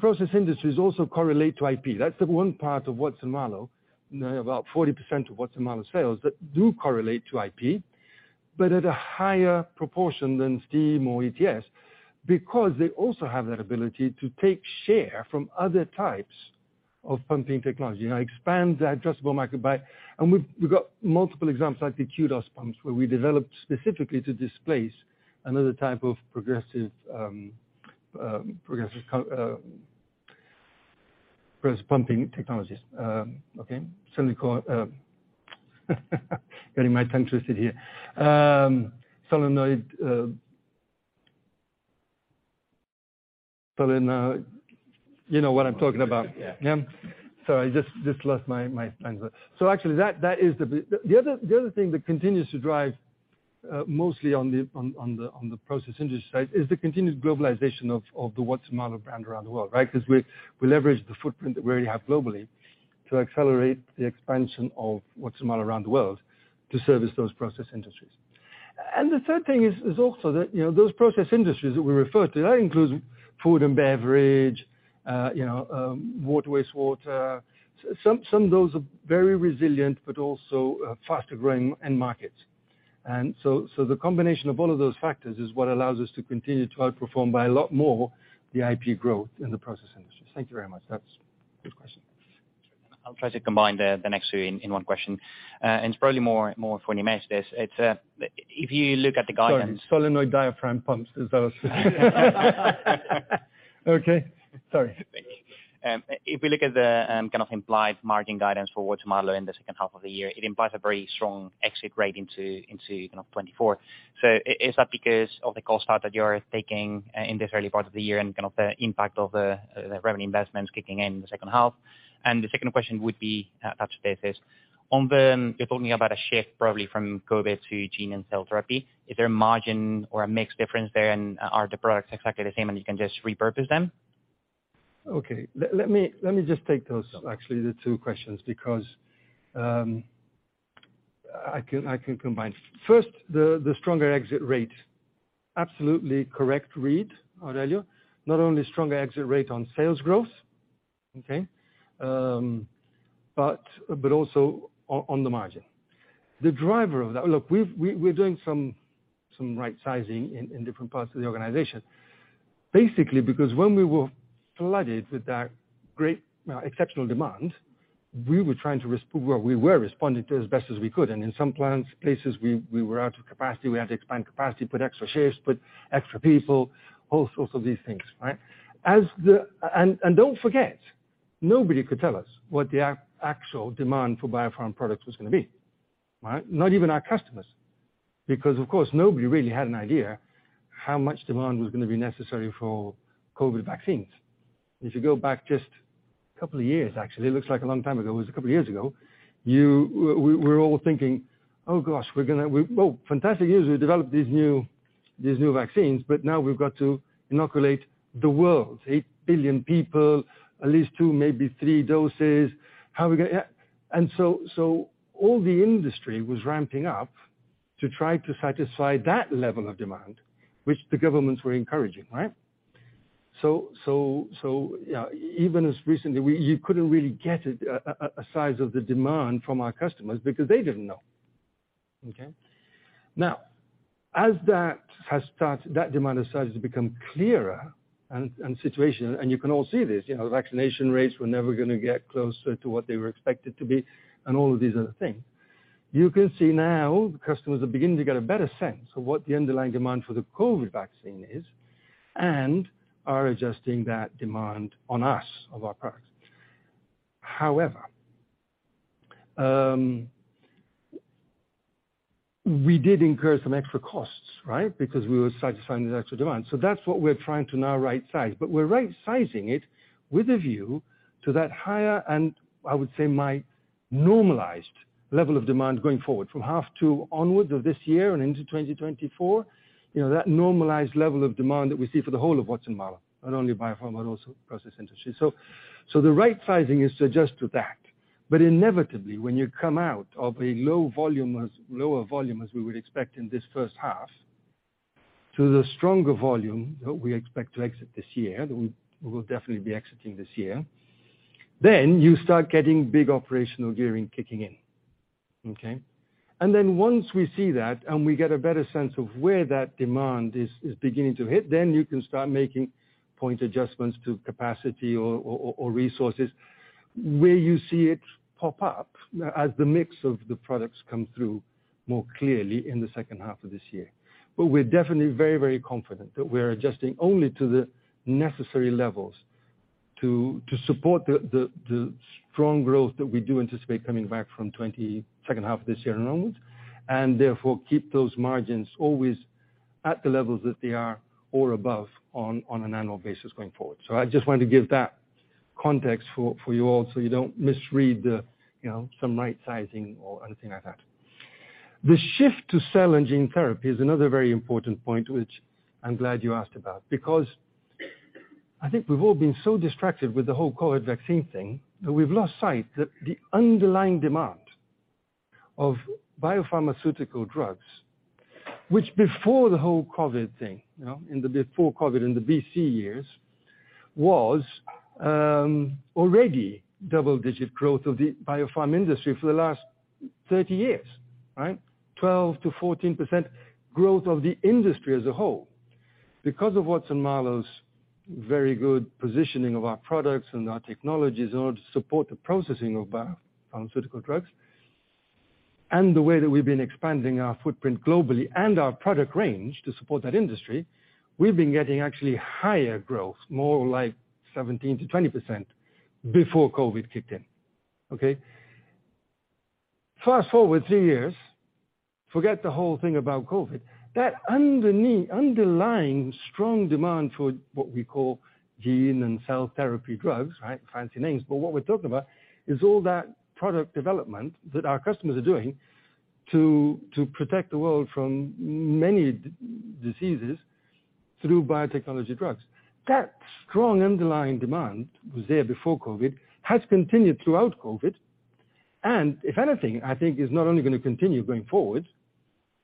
Process industries also correlate to IP. That's the one part of Watson-Marlow, you know, about 40% of Watson-Marlow sales that do correlate to IP, but at a higher proportion than steam or ETS because they also have that ability to take share from other types of pumping technology and expand their addressable market by. We've got multiple examples like the Qdos pumps where we developed specifically to displace another type of progressive cavity pumping technologies. Okay. Silicon, getting my tongue twisted here. Solenoid, you know what I'm talking about. Yeah. Yeah. Sorry, just lost my train of thought. Actually, that is the other thing that continues to drive mostly on the process industry side is the continued globalization of the Watson-Marlow brand around the world, right? 'Cause we leverage the footprint that we already have globally to accelerate the expansion of Watson-Marlow around the world to service those process industries. The third thing is also that, you know, those process industries that we refer to, that includes food and beverage, you know, water, wastewater. Some of those are very resilient but also faster-growing end markets. The combination of all of those factors is what allows us to continue to outperform by a lot more the IP growth in the process industry. Thank you very much. Good question. I'll try to combine the next two in one question. It's probably more for Nimesh this. It's, if you look at the guidance- Sorry, solenoid diaphragm pumps. Is that okay? Sorry. If we look at the kind of implied margin guidance for Watson-Marlow in the second half of the year, it implies a very strong exit rate into, you know, 2024. Is that because of the cost cut that you're taking in this early part of the year and kind of the impact of the revenue investments kicking in the second half? The second question would be perhaps to this. On the, you're talking about a shift probably from COVID to gene and cell therapy. Is there a margin or a mixed difference there? Are the products exactly the same and you can just repurpose them? Okay. Let me, let me just take those, actually, the two questions, because I can combine. First, the stronger exit rate. Absolutely correct read, Aurelio. Not only stronger exit rate on sales growth, okay, but also on the margin. The driver of that... Look, we're doing some right-sizing in different parts of the organization. Basically, because when we were flooded with that great exceptional demand, well, we were responding to as best as we could. And in some plants, places we were out of capacity, we had to expand capacity, put extra shifts, put extra people, all sorts of these things, right? As the... And don't forget, nobody could tell us what the actual demand for biopharm products was gonna be, right? Not even our customers, because, of course, nobody really had an idea how much demand was gonna be necessary for COVID vaccines. If you go back just a couple of years, actually, it looks like a long time ago. It was a couple of years ago. We're all thinking, "Oh, gosh, we're gonna well, fantastic news, we developed these new vaccines, but now we've got to inoculate the world. 8 billion people, at least two, maybe three doses. How are we gonna..." All the industry was ramping up to try to satisfy that level of demand, which the governments were encouraging, right? Yeah, even as recently, you couldn't really get a size of the demand from our customers because they didn't know, okay? As that demand has started to become clearer and situation, you can all see this, you know, vaccination rates were never gonna get closer to what they were expected to be and all of these other things. You can see now customers are beginning to get a better sense of what the underlying demand for the COVID vaccine is and are adjusting that demand on us, of our products. We did incur some extra costs, right, because we were satisfying the extra demand. That's what we're trying to now right size, but we're right sizing it with a view to that higher, and I would say my normalized level of demand going forward from half to onwards of this year and into 2024. You know, that normalized level of demand that we see for the whole of Watson-Marlow, not only biopharm, but also process industry. The right sizing is to adjust to that. Inevitably, when you come out of a low volume as, lower volume as we would expect in this first half, to the stronger volume that we expect to exit this year, that we will definitely be exiting this year, then you start getting big operational gearing kicking in, okay? Once we see that, and we get a better sense of where that demand is beginning to hit, then you can start making point adjustments to capacity or, or resources where you see it pop up as the mix of the products come through more clearly in the second half of this year. We're definitely very, very confident that we're adjusting only to the necessary levels to support the strong growth that we do anticipate coming back from 2020, second half of this year and onwards, and therefore keep those margins always at the levels that they are or above on an annual basis going forward. I just wanted to give that context for you all, so you don't misread the, you know, some right sizing or anything like that. The shift to cell and gene therapy is another very important point, which I'm glad you asked about, because I think we've all been so distracted with the whole COVID vaccine thing, that we've lost sight that the underlying demand of biopharmaceutical drugs, which before the whole COVID thing, you know, in the before COVID, in the BC years, was already double-digit growth of the biopharm industry for the last 30 years, right? 12%-14% growth of the industry as a whole. Watson-Marlow's very good positioning of our products and our technologies in order to support the processing of biopharmaceutical drugs, and the way that we've been expanding our footprint globally and our product range to support that industry, we've been getting actually higher growth, more like 17%-20% before COVID kicked in, okay? Fast-forward three years, forget the whole thing about COVID. That underneath, underlying strong demand for what we call gene and cell therapy drugs, right? Fancy names, but what we're talking about is all that product development that our customers are doing to protect the world from many diseases-Through biotechnology drugs. That strong underlying demand was there before COVID, has continued throughout COVID. If anything, I think is not only gonna continue going forward,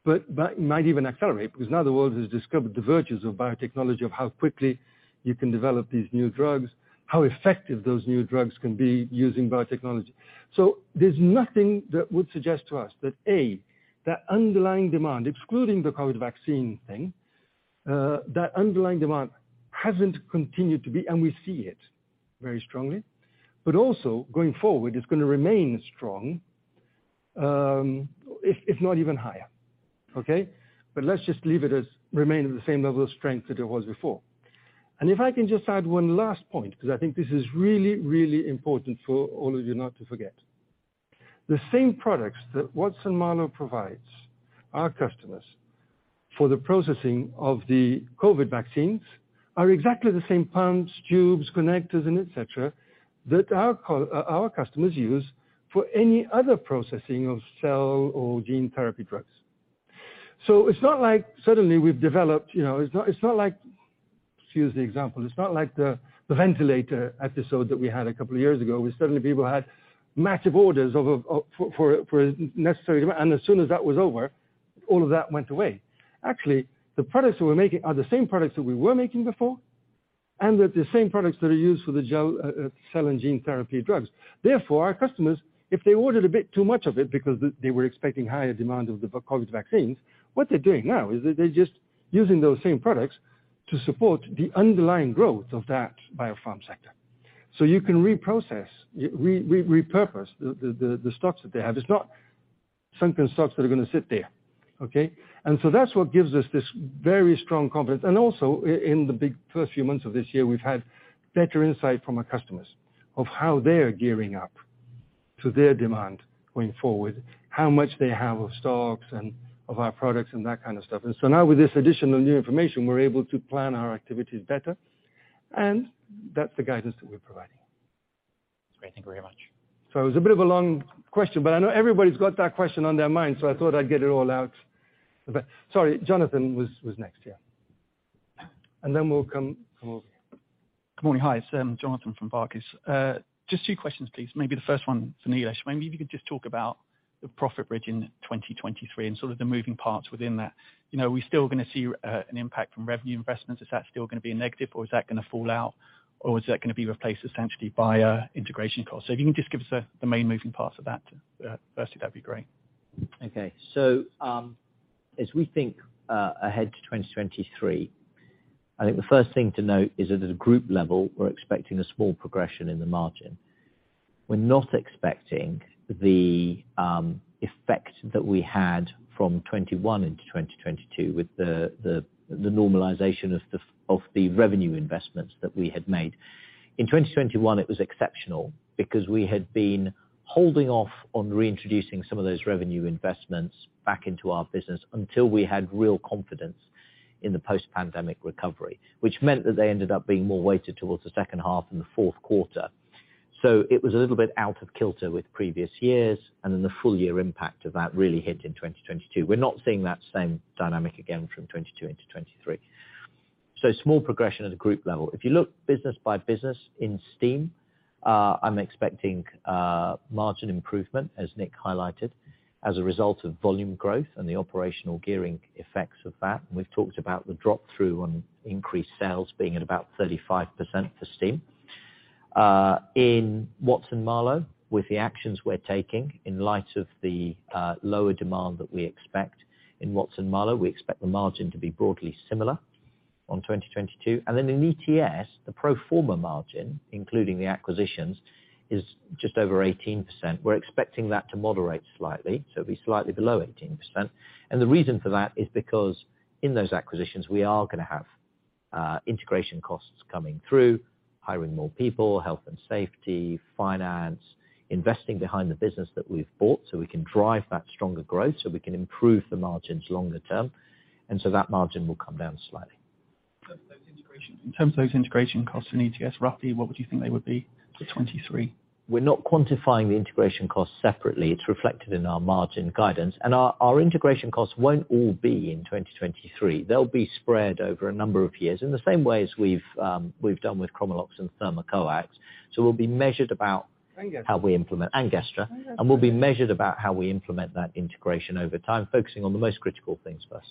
but that might even accelerate, because now the world has discovered the virtues of biotechnology, of how quickly you can develop these new drugs, how effective those new drugs can be using biotechnology. There's nothing that would suggest to us that, A, that underlying demand, excluding the COVID vaccine thing, that underlying demand hasn't continued to be, and we see it very strongly. Also going forward, it's gonna remain strong, if not even higher. Okay? Let's just leave it as remain at the same level of strength that it was before. If I can just add one last point, 'cause I think this is really, really important for all of you not to forget. The same products that Watson-Marlow provides our customers for the processing of the COVID vaccines are exactly the same pumps, tubes, connectors, and et cetera, that our customers use for any other processing of cell or gene therapy drugs. It's not like suddenly we've developed, you know. To use the example, it's not like the ventilator episode that we had a couple of years ago, where suddenly people had massive orders of, for necessary. As soon as that was over, all of that went away. Actually, the products that we're making are the same products that we were making before, and they're the same products that are used for the gel, cell and gene therapy drugs. Therefore, our customers, if they ordered a bit too much of it because they were expecting higher demand of the COVID vaccines, what they're doing now is they're just using those same products to support the underlying growth of that biopharm sector. You can reprocess, repurpose the stocks that they have. It's not sunken stocks that are gonna sit there, okay? That's what gives us this very strong confidence. Also in the big first few months of this year, we've had better insight from our customers of how they're gearing up to their demand going forward, how much they have of stocks and of our products and that kind of stuff. Now with this additional new information, we're able to plan our activities better, and that's the guidance that we're providing. Great. Thank you very much. It was a bit of a long question, but I know everybody's got that question on their mind, so I thought I'd get it all out. Sorry, Jonathan was next, yeah. Then we'll come over here. Good morning. Hi, it's Jonathan from Barclays. Just two questions, please. Maybe the first one to Nimesh. Maybe if you could just talk about the profit bridge in 2023 and sort of the moving parts within that. You know, are we still gonna see an impact from revenue investments? Is that still gonna be a negative or is that gonna fall out? Or is that gonna be replaced essentially via integration costs? If you can just give us the main moving parts of that, firstly, that'd be great. Okay. As we think ahead to 2023, I think the first thing to note is at a group level, we're expecting a small progression in the margin. We're not expecting the effect that we had from 2021 into 2022 with the normalization of the revenue investments that we had made. In 2021, it was exceptional because we had been holding off on reintroducing some of those revenue investments back into our business until we had real confidence in the post-pandemic recovery, which meant that they ended up being more weighted towards the second half and the fourth quarter. It was a little bit out of kilter with previous years, the full year impact of that really hit in 2022. We're not seeing that same dynamic again from 2022 into 2023. Small progression at a group level. If you look business by business in Steam, I'm expecting margin improvement, as Nick highlighted, as a result of volume growth and the operational gearing effects of that. We've talked about the drop-through on increased sales being at about 35% for Steam. In Watson-Marlow, with the actions we're taking in light of the lower demand that we expect in Watson-Marlow, we expect the margin to be broadly similar on 2022. In ETS, the pro forma margin, including the acquisitions, is just over 18%. We're expecting that to moderate slightly, so it'll be slightly below 18%. The reason for that is because in those acquisitions, we are gonna have integration costs coming through, hiring more people, health and safety, finance, investing behind the business that we've bought so we can drive that stronger growth, so we can improve the margins longer term. That margin will come down slightly. In terms of those integration costs in ETS, roughly, what would you think they would be for 2023? We're not quantifying the integration costs separately. It's reflected in our margin guidance. Our integration costs won't all be in 2023. They'll be spread over a number of years in the same way as we've done with Chromalox and Thermocoax. We'll be measured. Gestra. How we implement... Gestra. We'll be measured about how we implement that integration over time, focusing on the most critical things first.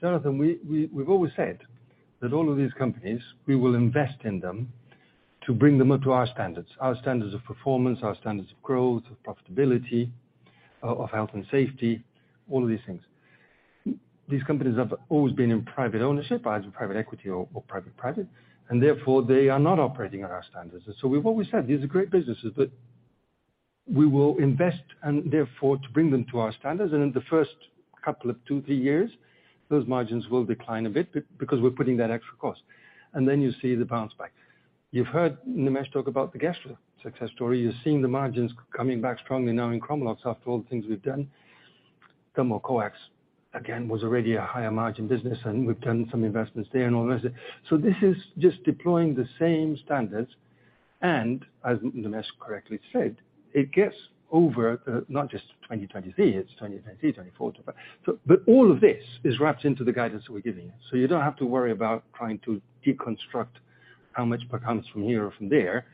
Jonathan, we've always said that all of these companies, we will invest in them to bring them up to our standards, our standards of performance, our standards of growth, of profitability, of health and safety, all of these things. These companies have always been in private ownership, either private equity or private private, and therefore they are not operating at our standards. We've always said, these are great businesses, but we will invest and therefore to bring them to our standards. In the first couple of two, three years, those margins will decline a bit because we're putting that extra cost. Then you see the bounce back. You've heard Nimesh talk about the Gestra success story. You've seen the margins coming back strongly now in Chromalox after all the things we've done. Thermocoax, again, was already a higher margin business, and we've done some investments there and all the rest. This is just deploying the same standards. As Nimesh correctly said, it gets over, not just 2023. It's 2023, 2024. All of this is wrapped into the guidance we're giving you. You don't have to worry about trying to deconstruct how much comes from here or from there.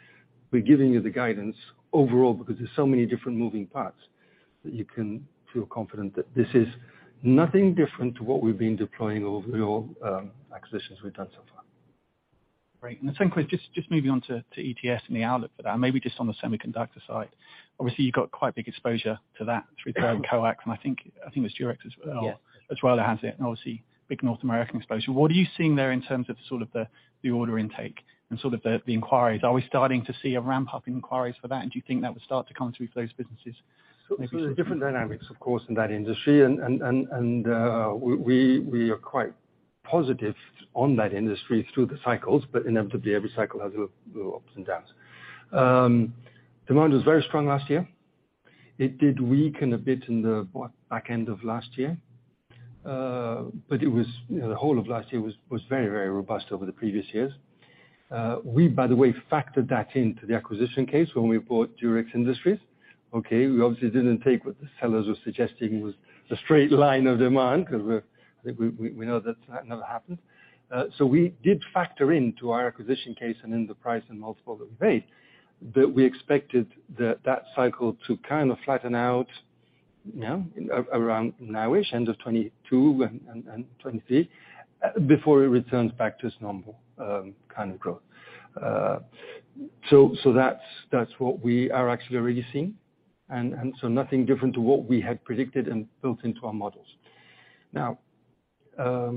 We're giving you the guidance overall because there's so many different moving parts that you can feel confident that this is nothing different to what we've been deploying over the old, acquisitions we've done so far. Great. The second question, just moving on to ETS and the outlook for that. Maybe just on the semiconductor side. Obviously, you've got quite big exposure to that through Coax. I think it's Durex as well has it, and obviously big North American exposure. What are you seeing there in terms of sort of the order intake and sort of the inquiries? Are we starting to see a ramp-up in inquiries for that? Do you think that would start to come through for those businesses? There's different dynamics, of course, in that industry. We are quite positive on that industry through the cycles, but inevitably every cycle has a little ups and downs. Demand was very strong last year. It did weaken a bit in the back end of last year, but it was, you know, the whole of last year was very, very robust over the previous years. We, by the way, factored that into the acquisition case when we bought Durex Industries, okay. We obviously didn't take what the sellers were suggesting was a straight line of demand, because we know that never happens. We did factor into our acquisition case and in the price and multiple that we paid, that we expected that cycle to kind of flatten out, you know, around now-ish, end of 2022 and 2023, before it returns back to its normal kind of growth. That's what we are actually already seeing. Nothing different to what we had predicted and built into our models. Now,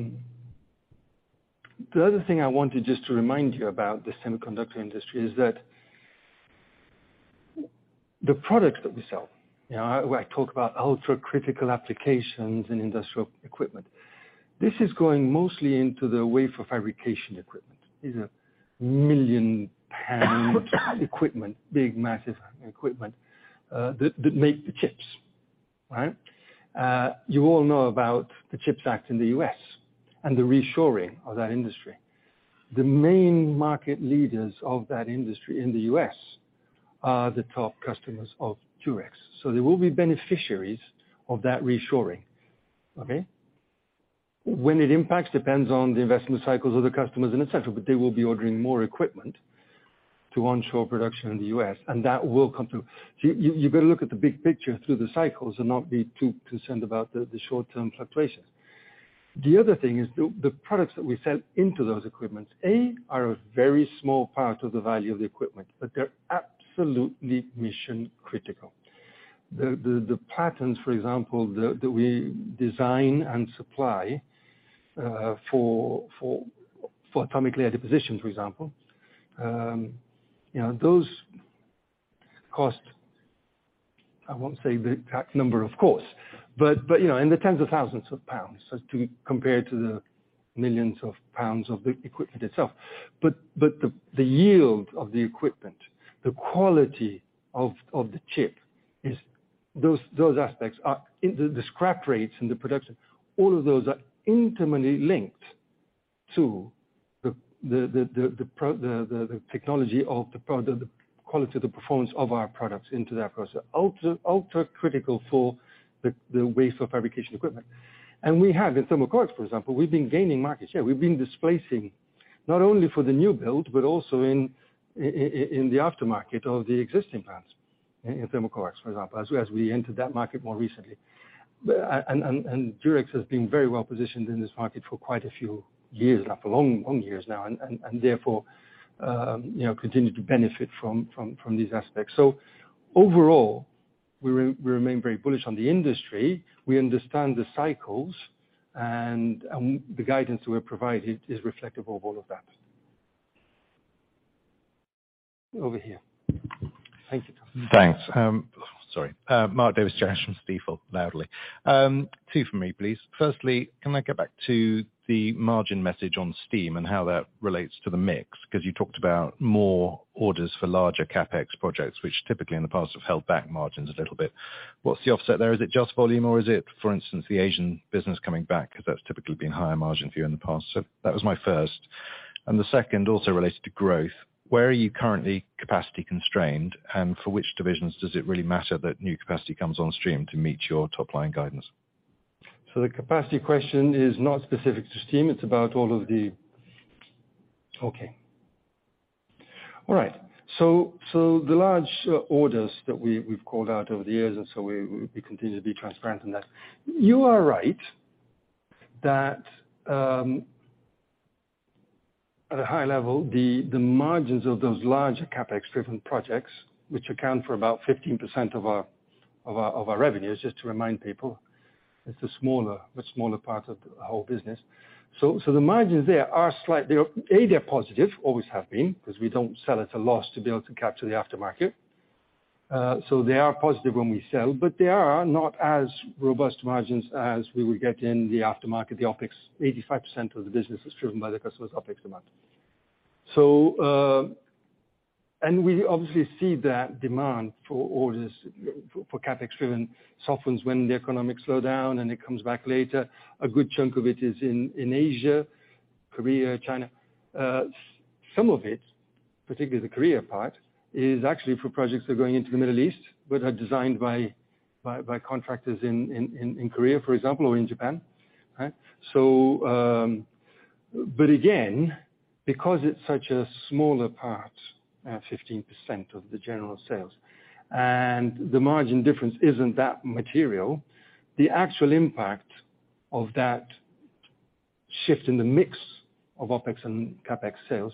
the other thing I wanted just to remind you about the semiconductor industry is that the products that we sell, you know, I talk about ultra-critical applications in industrial equipment. This is going mostly into the wafer fabrication equipment. These are million-pound equipment, big, massive equipment that make the chips. Right? You all know about the CHIPS Act in the US and the reshoring of that industry. The main market leaders of that industry in the U.S. are the top customers of Durex, so they will be beneficiaries of that reshoring. Okay? When it impacts depends on the investment cycles of the customers and et cetera, but they will be ordering more equipment to onshore production in the U.S., and that will come through. You better look at the big picture through the cycles and not be too concerned about the short-term fluctuations. The other thing is the products that we sell into those equipments, A, are a very small part of the value of the equipment, but they're absolutely mission-critical. The patterns, for example, that we design and supply for atomically positions, for example, you know, those cost, I won't say the exact number, of course, but you know, in the tens of thousands of GBP as to compared to the millions of GBP of the equipment itself. The yield of the equipment, the quality of the chip is those aspects are the scrap rates and the production, all of those are intimately linked to the technology of the product, the quality, the performance of our products into that process. Ultra-critical for the waste of fabrication equipment. We have in Thermocoax, for example, we've been gaining market share. We've been displacing not only for the new build, but also in the aftermarket of the existing plants in Thermocoax, for example, as we entered that market more recently. Durex has been very well positioned in this market for quite a few years now, for long years now, and therefore, you know, continue to benefit from these aspects. Overall, we remain very bullish on the industry. We understand the cycles and the guidance we have provided is reflective of all of that. Over here. Thank you. Thanks. Sorry. Mark Davies Jones from Stifel, loudly. Two for me, please. Firstly, can I get back to the margin message on steam and how that relates to the mix? You talked about more orders for larger CapEx projects, which typically in the past have held back margins a little bit. What's the offset there? Is it just volume or is it, for instance, the Asian business coming back? That's typically been higher margin for you in the past. That was my first. The second also related to growth. Where are you currently capacity constrained? For which divisions does it really matter that new capacity comes on stream to meet your top-line guidance? The capacity question is not specific to steam, it's about all of the... Okay. All right. The large orders that we've called out over the years, we continue to be transparent in that. You are right that, at a high level, the margins of those large CapEx-driven projects, which account for about 15% of our revenues, just to remind people, it's a smaller part of the whole business. The margins there are slightly... They're positive, always have been, 'cause we don't sell at a loss to be able to capture the aftermarket. They are positive when we sell, but they are not as robust margins as we would get in the aftermarket, the OpEx. 85% of the business is driven by the customer's OpEx demand. We obviously see that demand for orders for CapEx-driven softens when the economics slow down and it comes back later. A good chunk of it is in Asia, Korea, China. Some of it Particularly the Korea part, is actually for projects that are going into the Middle East, but are designed by contractors in Korea, for example, or in Japan. Right? Again, because it's such a smaller part, 15% of the general sales, and the margin difference isn't that material, the actual impact of that shift in the mix of OpEx and CapEx sales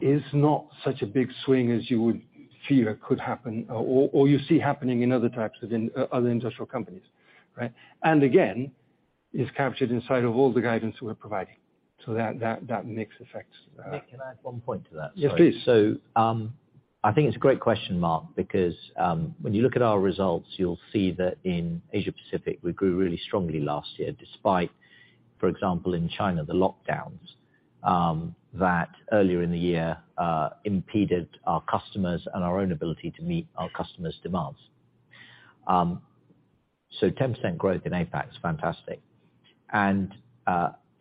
is not such a big swing as you would fear could happen or you see happening in other types within other industrial companies. Right? Again, it's captured inside of all the guidance we're providing. That mix affects, Nick, can I add one point to that? Sorry. Yes, please. I think it's a great question, Mark, because when you look at our results, you'll see that in Asia Pacific, we grew really strongly last year, despite, for example, in China, the lockdowns that earlier in the year impeded our customers and our own ability to meet our customers' demands. 10% growth in APAC is fantastic.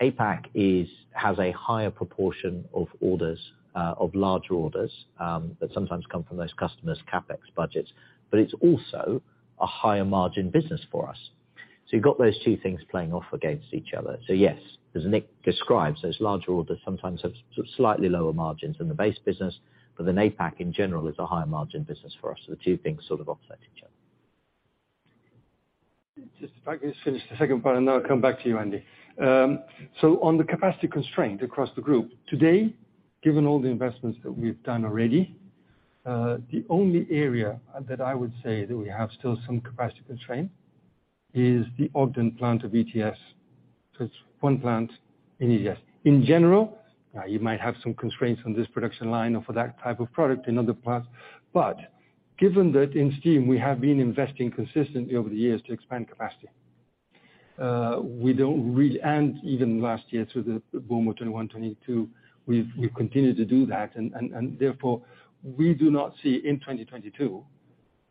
APAC has a higher proportion of orders of larger orders that sometimes come from those customers' CapEx budgets, but it's also a higher margin business for us. You've got those two things playing off against each other. Yes, as Nick describes, those larger orders sometimes have sort of slightly lower margins than the base business. APAC in general is a higher margin business for us. The two things sort of offset each other. Just if I could just finish the second part, I'll come back to you, Andy. On the capacity constraint across the group, today, given all the investments that we've done already, the only area that I would say that we have still some capacity constraint is the Ogden plant of ETS. It's one plant in ETS. In general, you might have some constraints on this production line or for that type of product in other plants, but given that in steam we have been investing consistently over the years to expand capacity, we don't. Even last year through the boom of 2021, 2022, we've continued to do that. Therefore, we do not see in 2022,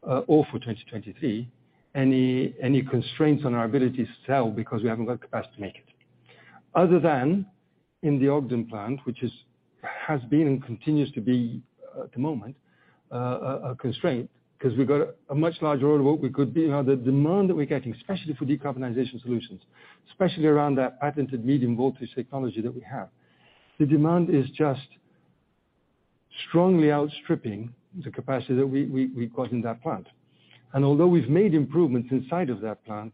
or for 2023, any constraints on our ability to sell because we haven't got capacity to make it. Other than in the Ogden plant, which is, has been and continues to be, at the moment, a constraint, 'cause we've got a much larger order book. We could be... Now, the demand that we're getting, especially for decarbonization solutions, especially around that patented medium-voltage technology that we have, the demand is just strongly outstripping the capacity that we've got in that plant. Although we've made improvements inside of that plant,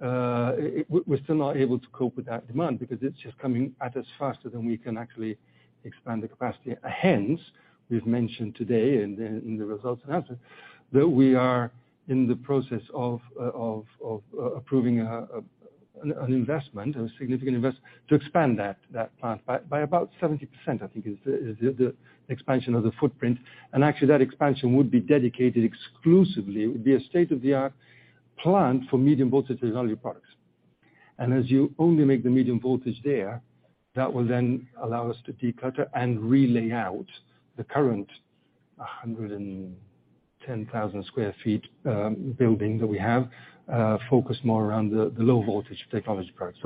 we're still not able to cope with that demand because it's just coming at us faster than we can actually expand the capacity. Hence, we've mentioned today in the results announcement that we are in the process of approving an investment, a significant invest to expand that plant by about 70%, I think is the expansion of the footprint. Actually that expansion would be dedicated exclusively. It would be a state-of-the-art plant for medium-voltage reservoir products. As you only make the medium-voltage there, that will then allow us to declutter and re-lay out the current 110,000 sq ft building that we have focused more around the low-voltage technology products.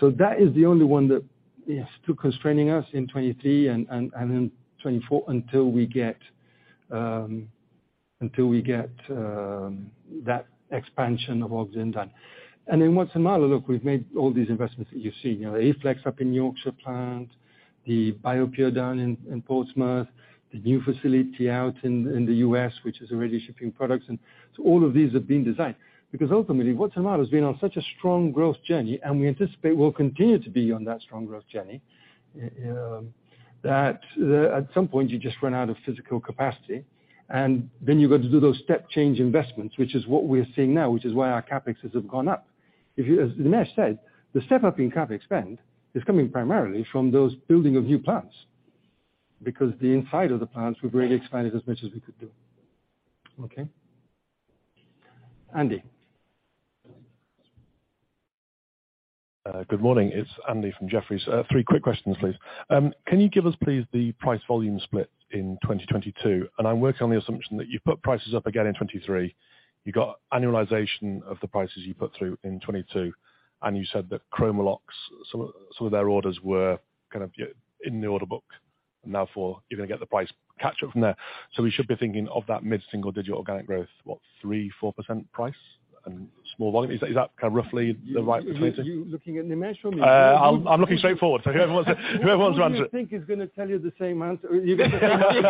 That is the only one that is still constraining us in 2023 and in 2024 until we get that expansion of Ogden done. In Watson-Marlow, look, we've made all these investments that you've seen. You know, Aflex up in Yorkshire plant, the BioPure down in Portsmouth, the new facility out in the U.S., which is already shipping products. All of these have been designed because ultimately, Watson-Marlow has been on such a strong growth journey, and we anticipate will continue to be on that strong growth journey that at some point, you just run out of physical capacity, and then you've got to do those step change investments, which is what we're seeing now, which is why our CapEx have gone up. As Nimesh said, the step-up in CapEx spend is coming primarily from those building of new plants because the inside of the plants, we've really expanded as much as we could do. Okay? Andy. Good morning. It's Andy from Jefferies. Three quick questions, please. Can you give us, please, the price volume split in 2022? I'm working on the assumption that you've put prices up again in 2023, you got annualization of the prices you put through in 2022, and you said that Chromalox, some of their orders were kind of in the order book. Now for you're gonna get the price catch up from there. We should be thinking of that mid-single digit organic growth, what, 3%-4% price and small volume? Is that kind of roughly the right place to- You looking at Nimesh or me? I'm looking straight forward, so whoever wants to answer it. Who do you think is gonna tell you the same answer? You get the same answer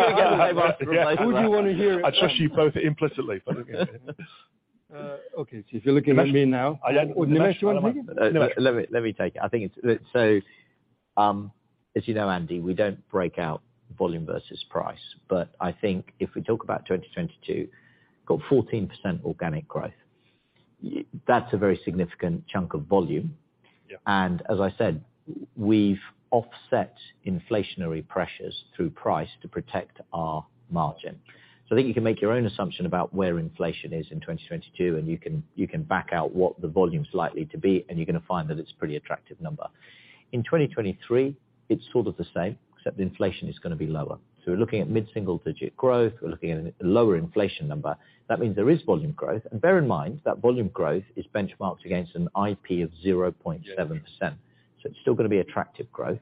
from either of us. Who do you wanna hear it from? I trust you both implicitly. Okay. If you're looking at me now. I, I- Nimesh, you wanna begin? No, let me take it. I think it's, so, as you know, Andy, we don't break out volume versus price. I think if we talk about 2022, got 14% organic growth. That's a very significant chunk of volume. Yeah. As I said, we've offset inflationary pressures through price to protect our margin. I think you can make your own assumption about where inflation is in 2022, and you can back out what the volume's likely to be, and you're gonna find that it's pretty attractive number. In 2023, it's sort of the same, except inflation is gonna be lower. We're looking at mid-single digit growth. We're looking at a lower inflation number. That means there is volume growth. Bear in mind that volume growth is benchmarked against an IP of 0.7%. It's still gonna be attractive growth.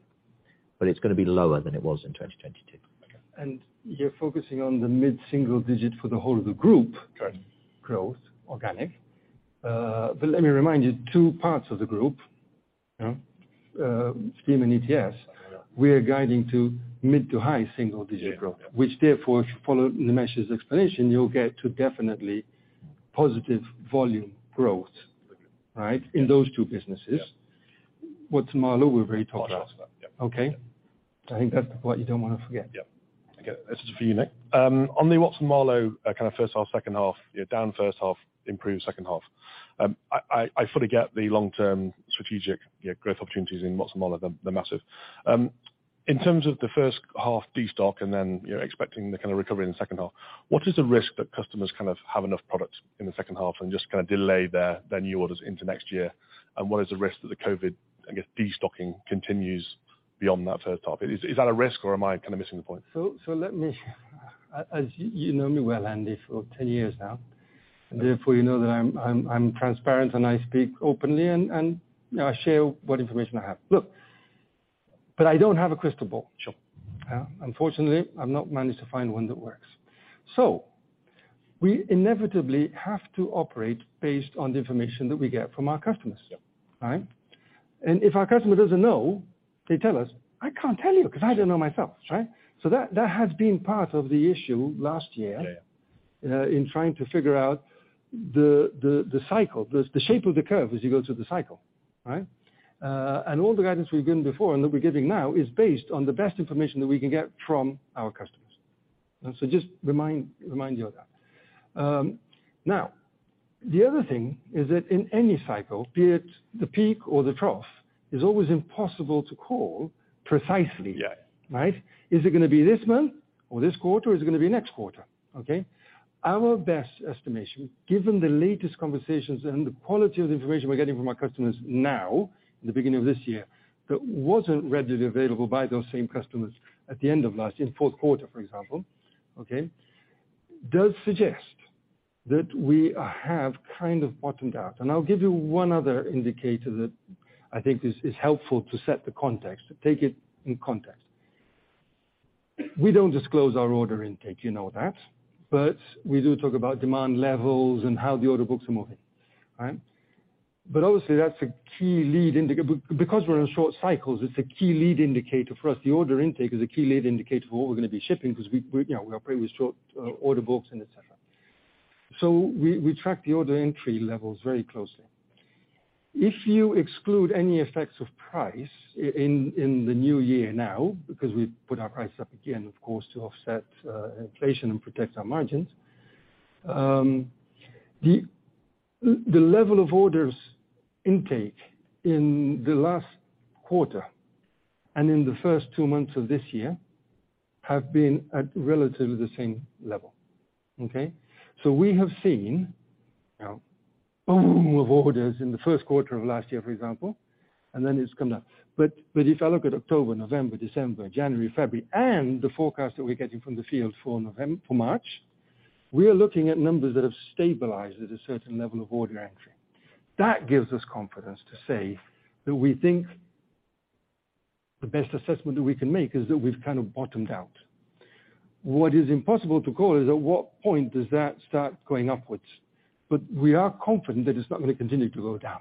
It's gonna be lower than it was in 2022. Okay. You're focusing on the mid-single digit for the whole of the group. Correct growth, organic. Let me remind you, two parts of the group, you know, Steam and ETS, we are guiding to mid-to-high single-digit growth. Yeah. Yeah. Therefore, if you follow Nimesh's explanation, you'll get to definitely positive volume growth. Mm-hmm. Right? In those two businesses. Yeah. Watson-Marlow, we've already talked about. Talked about. Yep. Okay? I think that's what you don't wanna forget. Yeah. Okay. This is for you, Nick. on the Watson-Marlow, kind of first half, second half, you know, down first half, improved second half. I fully get the long-term strategic, you know, growth opportunities in Watson-Marlow, they're massive. in terms of the first half destock and then, you're expecting the kind of recovery in the second half, what is the risk that customers kind of have enough product in the second half and just kinda delay their new orders into next year? What is the risk that the COVID, I guess, destocking continues beyond that first half? Is that a risk or am I kinda missing the point? let me as you know me well, Andy, for ten years now. Mm-hmm. Therefore you know that I'm transparent and I speak openly and I share what information I have. Look, I don't have a crystal ball. Sure. Yeah. Unfortunately, I've not managed to find one that works. We inevitably have to operate based on the information that we get from our customers. Yeah. Right? If our customer doesn't know, they tell us, "I can't tell you because I don't know myself." Right? That has been part of the issue last year. Yeah, yeah.... in trying to figure out the cycle, the shape of the curve as you go through the cycle, right? All the guidance we've given before and that we're giving now is based on the best information that we can get from our customers. Just remind you of that. The other thing is that in any cycle, be it the peak or the trough, it's always impossible to call precisely. Yeah. Right? Is it gonna be this month or this quarter, or is it gonna be next quarter, okay? Our best estimation, given the latest conversations and the quality of the information we're getting from our customers now, in the beginning of this year, that wasn't readily available by those same customers at the end of last year, in fourth quarter, for example, okay? Does suggest that we have kind of bottomed out. I'll give you one other indicator that I think is helpful to set the context, to take it in context. We don't disclose our order intake, you know that, but we do talk about demand levels and how the order books are moving, all right? Obviously, that's a key lead indicator. Because we're in short cycles, it's a key lead indicator for us. The order intake is a key lead indicator for what we're gonna be shipping because we, you know, we operate with short order books and et cetera. We track the order entry levels very closely. If you exclude any effects of price in the new year now, because we've put our price up again, of course, to offset inflation and protect our margins, the level of orders intake in the last quarter and in the first two months of this year have been at relatively the same level. We have seen, you know, boom of orders in the first quarter of last year, for example, and then it's come down. If I look at October, November, December, January, February, and the forecast that we're getting from the field for March, we are looking at numbers that have stabilized at a certain level of order entry. That gives us confidence to say that we think the best assessment that we can make is that we've kind of bottomed out. What is impossible to call is at what point does that start going upwards. We are confident that it's not gonna continue to go down.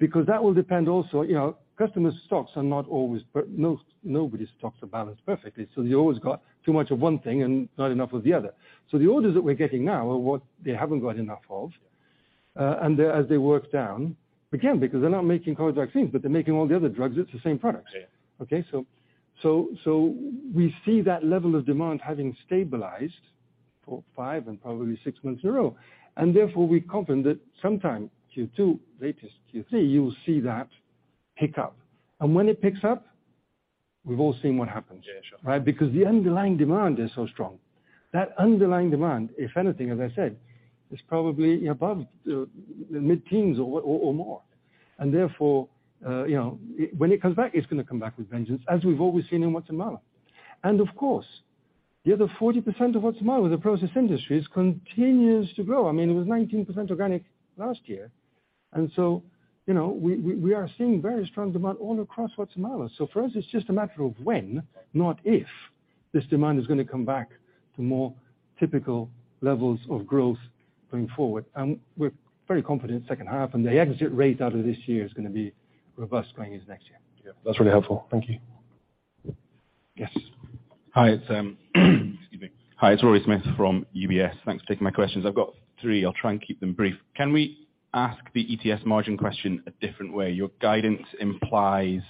Yeah. That will depend also, you know, customers' stocks are not always. Nobody's stocks are balanced perfectly. You always got too much of one thing and not enough of the other. The orders that we're getting now are what they haven't got enough of, and they, as they work down, again, because they're not making COVID vaccines, but they're making all the other drugs, it's the same products. Yeah. Okay? We see that level of demand having stabilized for five and probably six months in a row. Therefore, we're confident that sometime Q2, latest Q3, you'll see that pick up. When it picks up, we've all seen what happens. Yeah, sure. Right? Because the underlying demand is so strong. That underlying demand, if anything, as I said, is probably above the mid-teens or more. Therefore, you know, it, when it comes back, it's gonna come back with vengeance, as we've always seen in Watson-Marlow. Of course, the other 40% of Watson-Marlow, the process industry, continues to grow. I mean, it was 19% organic last year. So, you know, we are seeing very strong demand all across Watson-Marlow. So for us, it's just a matter of when, not if, this demand is gonna come back to more typical levels of growth going forward. We're very confident second half, and the exit rate out of this year is gonna be robust going into next year. Yeah. That's really helpful. Thank you. Yes. Hi, it's. Excuse me. Hi, it's Rory Smith from UBS. Thanks for taking my questions. I've got three. I'll try and keep them brief. Can we ask the ETS margin question a different way? Your guidance implies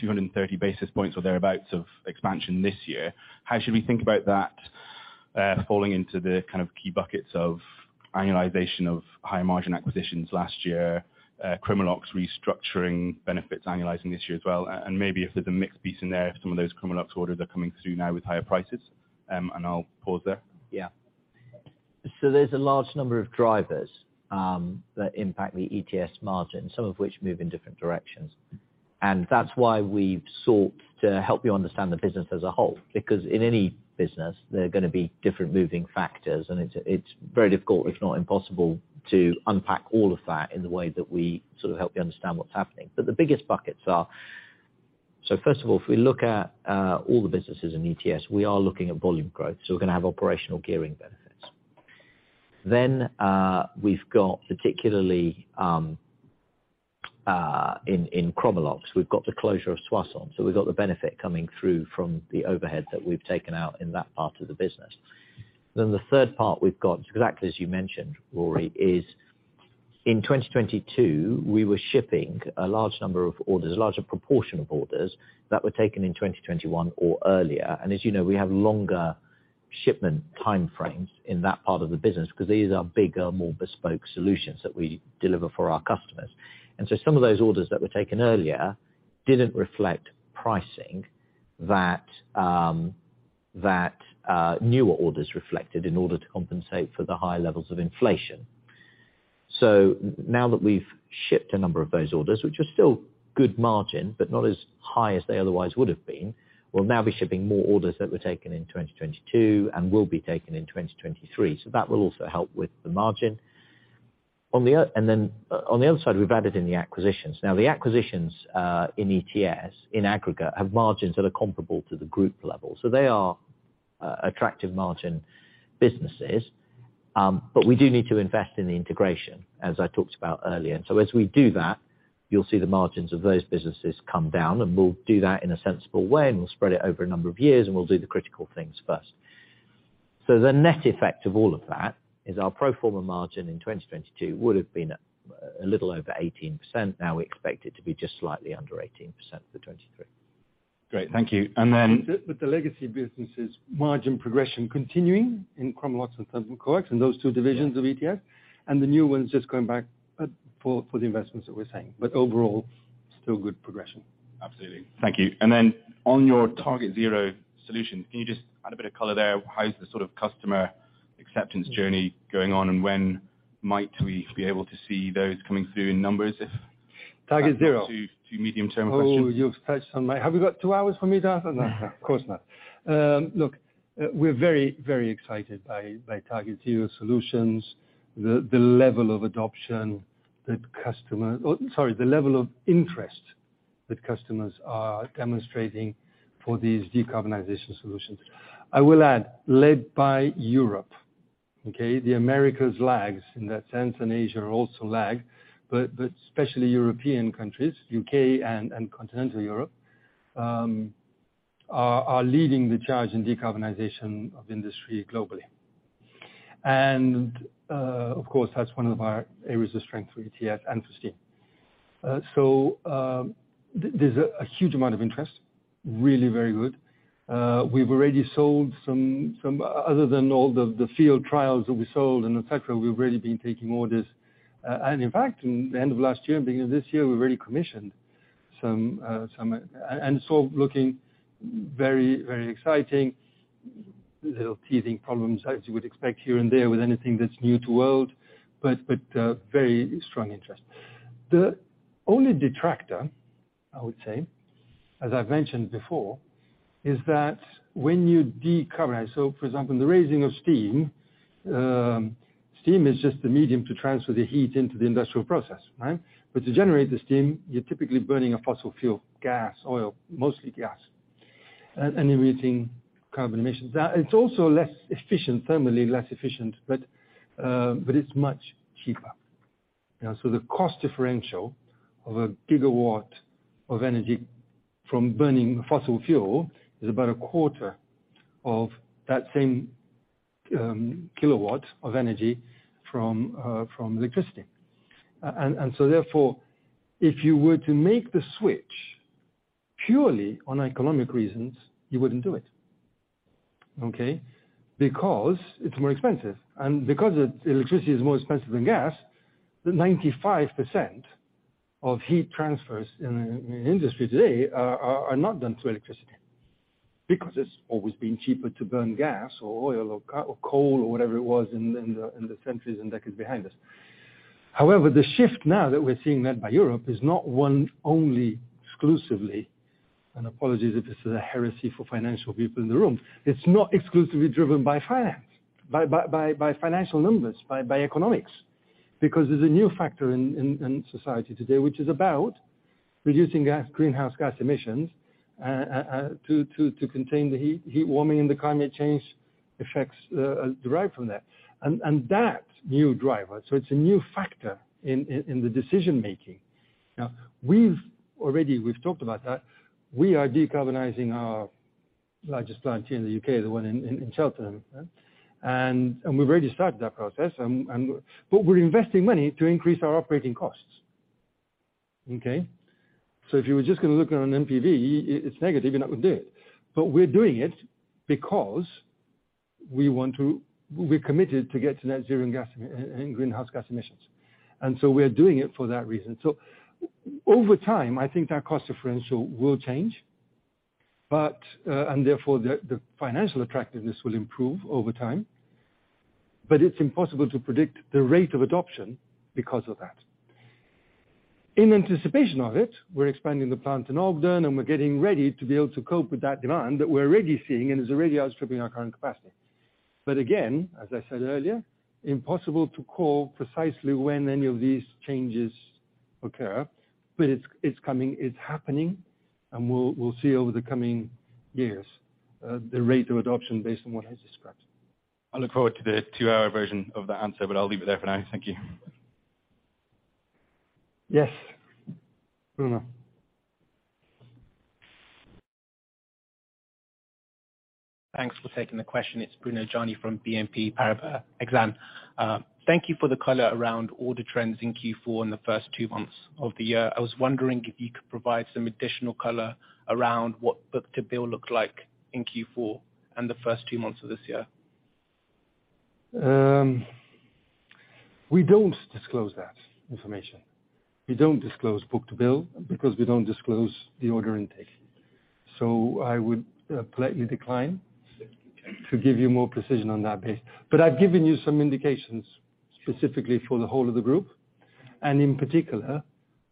230 basis points or thereabouts of expansion this year. How should we think about that falling into the kind of key buckets of annualization of high margin acquisitions last year, Chromalox restructuring benefits annualizing this year as well, and maybe if there's a mixed piece in there, if some of those Chromalox orders are coming through now with higher prices? I'll pause there. Yeah. There's a large number of drivers that impact the ETS margin, some of which move in different directions. That's why we've sought to help you understand the business as a whole. In any business, there are gonna be different moving factors, and it's very difficult, if not impossible, to unpack all of that in the way that we sort of help you understand what's happening. The biggest buckets. First of all, if we look at all the businesses in ETS, we are looking at volume growth, so we're gonna have operational gearing benefits. We've got particularly in Chromalox, we've got the closure of Soissons. We've got the benefit coming through from the overhead that we've taken out in that part of the business. The third part we've got, exactly as you mentioned, Rory, is in 2022, we were shipping a large number of orders, a larger proportion of orders that were taken in 2021 or earlier. As you know, we have longer shipment time frames in that part of the business 'cause these are bigger, more bespoke solutions that we deliver for our customers. Some of those orders that were taken earlier didn't reflect pricing that newer orders reflected in order to compensate for the high levels of inflation. Now that we've shipped a number of those orders, which are still good margin, but not as high as they otherwise would have been, we'll now be shipping more orders that were taken in 2022 and will be taken in 2023. That will also help with the margin. On the other side, we've added in the acquisitions. The acquisitions in ETS in aggregate, have margins that are comparable to the group level. They are attractive margin businesses. We do need to invest in the integration, as I talked about earlier. As we do that, you'll see the margins of those businesses come down, and we'll do that in a sensible way, and we'll spread it over a number of years, and we'll do the critical things first. The net effect of all of that is our pro forma margin in 2022 would have been a little over 18%. Now we expect it to be just slightly under 18% for 2023. Great. Thank you. The legacy business' margin progression continuing in Chromalox and Thermocoax and those two divisions of ETS. Yeah. The new ones just going back, for the investments that we're saying. Overall, still good progression. Absolutely. Thank you. Then on your TargetZero solution, can you just add a bit of color there? How's the sort of customer acceptance journey going on? When might we be able to see those coming through in numbers? TargetZero. Two medium-term questions. Oh, you've touched on my... Have we got two hours for me to answer? No, no, of course not. We're very excited by TargetZero solutions. The level of adoption that customer, or sorry, the level of interest that customers are demonstrating for these decarbonization solutions. I will add, led by Europe, okay? The Americas lags in that sense, and Asia also lag, but especially European countries, U.K. and Continental Europe are leading the charge in decarbonization of industry globally. Of course, that's one of our areas of strength for ETS and for steam. There's a huge amount of interest, really very good. We've already sold some, other than all the field trials that we sold and et cetera, we've already been taking orders. In fact, in the end of last year and beginning of this year, we've already commissioned. Looking very, very exciting. Little teething problems as you would expect here and there with anything that's new to world, but very strong interest. The only detractor, I would say, as I've mentioned before, is that when you decarbonize, so for example, the raising of steam is just a medium to transfer the heat into the industrial process, right? To generate the steam, you're typically burning a fossil fuel, gas, oil, mostly gas, and emitting carbon emissions. That it's also less efficient, thermally less efficient, but it's much cheaper. You know, the cost differential of a gigawatt of energy from burning fossil fuel is about a quarter of that same kilowatt of energy from electricity. Therefore, if you were to make the switch purely on economic reasons, you wouldn't do it. Okay? Because it's more expensive. Because electricity is more expensive than gas, 95% of heat transfers in industry today are not done through electricity, because it's always been cheaper to burn gas or oil or coal or whatever it was in the centuries and decades behind us. However, the shift now that we're seeing led by Europe is not one only exclusively, and apologies if this is a heresy for financial people in the room, it's not exclusively driven by finance, by financial numbers, by economics. Because there's a new factor in society today, which is about reducing greenhouse gas emissions to contain the heat warming and the climate change effects derived from that. That new driver, so it's a new factor in the decision-making. We've already talked about that, we are decarbonizing our largest plant in the UK, the one in Cheltenham. We've already started that process. But we're investing money to increase our operating costs. Okay? If you were just gonna look at an NPV, it's negative, you're not gonna do it. We're doing it because we want to... We're committed to get to net zero in greenhouse gas emissions. We're doing it for that reason. Over time, I think that cost differential will change, but, and therefore the financial attractiveness will improve over time. It's impossible to predict the rate of adoption because of that. In anticipation of it, we're expanding the plant in Ogden, and we're getting ready to be able to cope with that demand that we're already seeing and is already outstripping our current capacity. Again, as I said earlier, impossible to call precisely when any of these changes occur, but it's coming, it's happening, and we'll see over the coming years, the rate of adoption based on what I described. I look forward to the two-hour version of the answer, but I'll leave it there for now. Thank you. Yes. Bruno. Thanks for taking the question. It's Bruno Gjani from BNP Paribas Exane. Thank you for the color around all the trends in Q4 and the first two months of the year. I was wondering if you could provide some additional color around what book-to-bill looked like in Q4 and the first two months of this year. We don't disclose that information. We don't disclose book-to-bill because we don't disclose the order intake. I would politely decline to give you more precision on that base. I've given you some indications, specifically for the whole of the group, and in particular,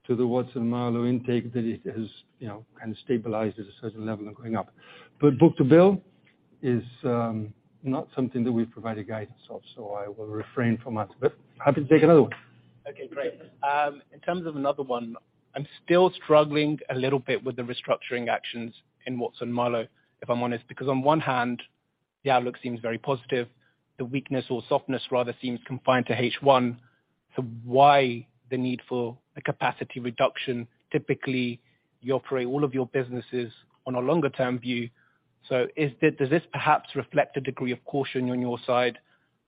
to the Watson-Marlow intake that it has, you know, kind of stabilized at a certain level and going up. Book-to-bill is not something that we provide guidance of, so I will refrain from that. Happy to take another one. Great. In terms of another one, I'm still struggling a little bit with the restructuring actions in Watson-Marlow, if I'm honest. On one hand, the outlook seems very positive, the weakness or softness rather, seems confined to H1, so why the need for a capacity reduction? Typically, you operate all of your businesses on a longer term view. Does this perhaps reflect a degree of caution on your side,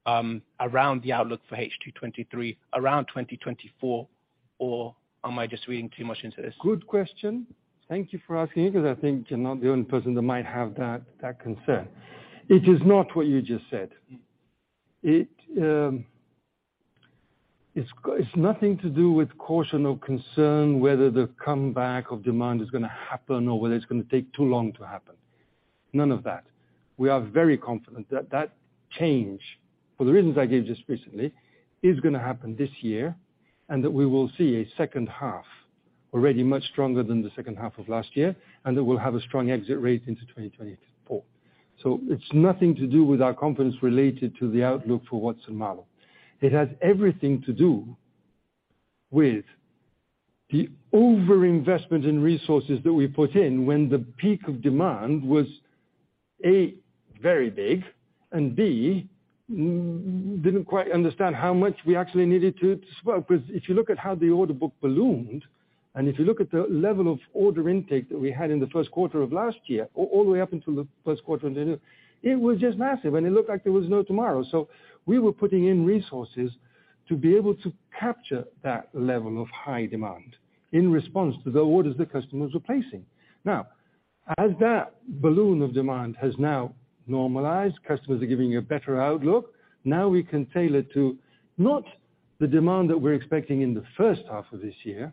around the outlook for H2 2023, around 2024, or am I just reading too much into this? Good question. Thank you for asking, because I think you're not the only person that might have that concern. It's nothing to do with caution or concern whether the comeback of demand is gonna happen or whether it's gonna take too long to happen. None of that. We are very confident that that change, for the reasons I gave just recently, is gonna happen this year, and that we will see a second half already much stronger than the second half of last year, and that we'll have a strong exit rate into 2024. It's nothing to do with our confidence related to the outlook for Watson-Marlow. It has everything to do with the over-investment in resources that we put in when the peak of demand was, A, very big, and B, didn't quite understand how much we actually needed to swell. If you look at how the order book ballooned, and if you look at the level of order intake that we had in the first quarter of last year, all the way up until the first quarter of this year, it was just massive, and it looked like there was no tomorrow. We were putting in resources to be able to capture that level of high demand in response to the orders the customers were placing. As that balloon of demand has now normalized, customers are giving a better outlook, now we can tailor to not the demand that we're expecting in the first half of this year,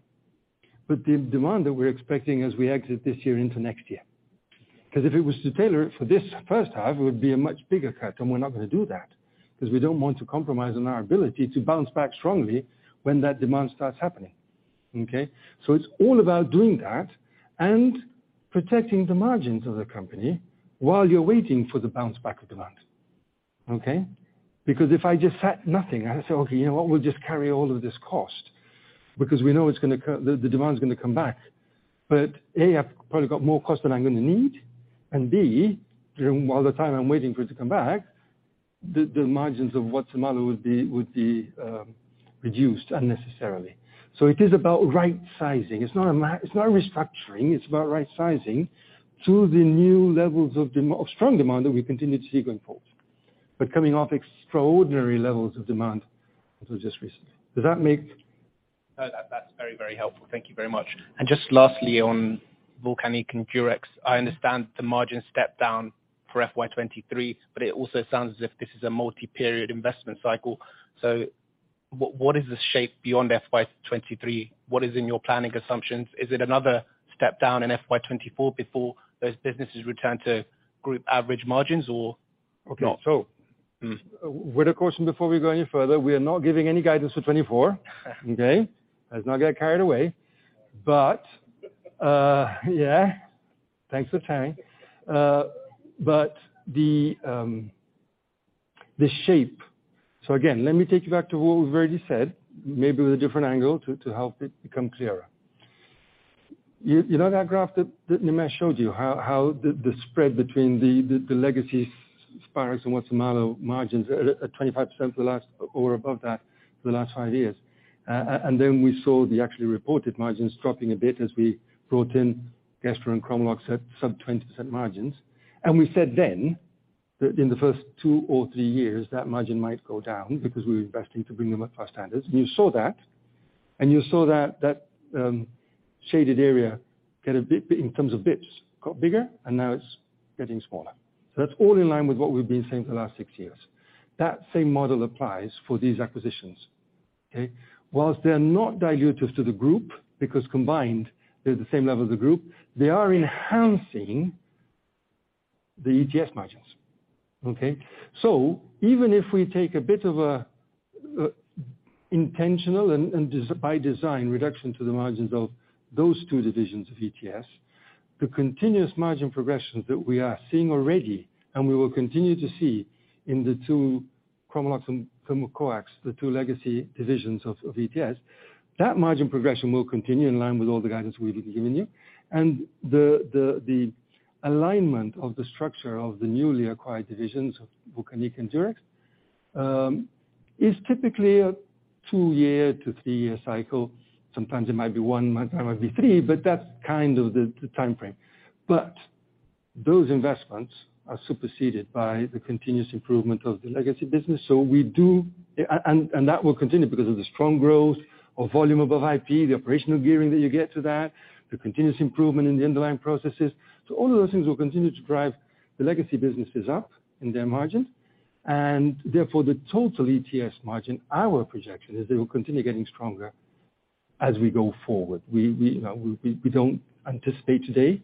but the demand that we're expecting as we exit this year into next year. If it was to tailor it for this first half, it would be a much bigger cut, and we're not gonna do that, because we don't want to compromise on our ability to bounce back strongly when that demand starts happening. Okay? It's all about doing that and protecting the margins of the company while you're waiting for the bounce back of demand. Okay? If I just set nothing, and I say, "Okay, you know what? We'll just carry all of this cost," because we know it's gonna the demand is gonna come back. A, I've probably got more cost than I'm gonna need, and B, during all the time I'm waiting for it to come back, the margins of Watson-Marlow would be reduced unnecessarily. It is about right sizing. It's not restructuring, it's about right sizing to the new levels of strong demand that we continue to see going forward, but coming off extraordinary levels of demand until just recently. Does that? No, that's very, very helpful. Thank you very much. Just lastly, on Vulcanic and Durex, I understand the margin stepped down for FY 2023. It also sounds as if this is a multi-period investment cycle. What is the shape beyond FY 2023? What is in your planning assumptions? Is it another step down in FY 2024 before those businesses return to group average margins or not? Okay. With a caution before we go any further, we are not giving any guidance for 2024. Okay? Let's not get carried away. Yeah, thanks for telling me. Again, let me take you back to what we've already said, maybe with a different angle to help it become clearer. You know that graph that Nimesh showed you, how the spread between the legacy Spirax and Watson-Marlow margins are at 25% for the last, or above that, for the last five years. Then we saw the actually reported margins dropping a bit as we brought in Gestra and Chromalox at sub-20% margins. We said then that in the first two or three years, that margin might go down because we're investing to bring them up to our standards. You saw that shaded area get a bit, in terms of bits, got bigger, and now it's getting smaller. That's all in line with what we've been saying for the last six years. That same model applies for these acquisitions. Okay? Whilst they're not dilutive to the group, because combined they're the same level as the group, they are enhancing the ETS margins. Okay? Even if we take a bit of intentional and by design, reduction to the margins of those two divisions of ETS, the continuous margin progressions that we are seeing already and we will continue to see in the two, Chromalox and Thermocoax, the two legacy divisions of ETS, that margin progression will continue in line with all the guidance we've been giving you. The alignment of the structure of the newly acquired divisions of Vulcanic and Durex is typically a 2-year to 3-year cycle. Sometimes it might be 1, might be 3, but that's kind of the timeframe. Those investments are superseded by the continuous improvement of the legacy business. That will continue because of the strong growth of volume above IP, the operational gearing that you get to that, the continuous improvement in the underlying processes. All of those things will continue to drive the legacy businesses up in their margins, and therefore the total ETS margin, our projection, is that it will continue getting stronger as we go forward. We, you know, we don't anticipate today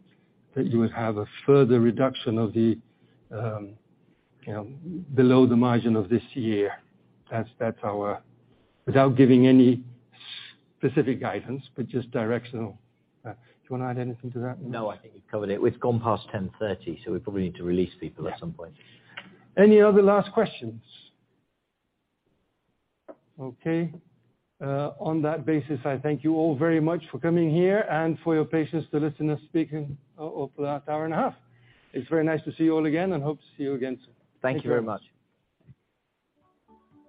that you would have a further reduction of the, you know, below the margin of this year. That's. Without giving any specific guidance, but just directional. Do you wanna add anything to that, Nimesh? No, I think you've covered it. We've gone past 10:30 A.M., so we probably need to release people at some point. Any other last questions? Okay. On that basis, I thank you all very much for coming here and for your patience to listen to us speakin', over the last hour and a half. It's very nice to see you all again and hope to see you again soon. Thank you very much.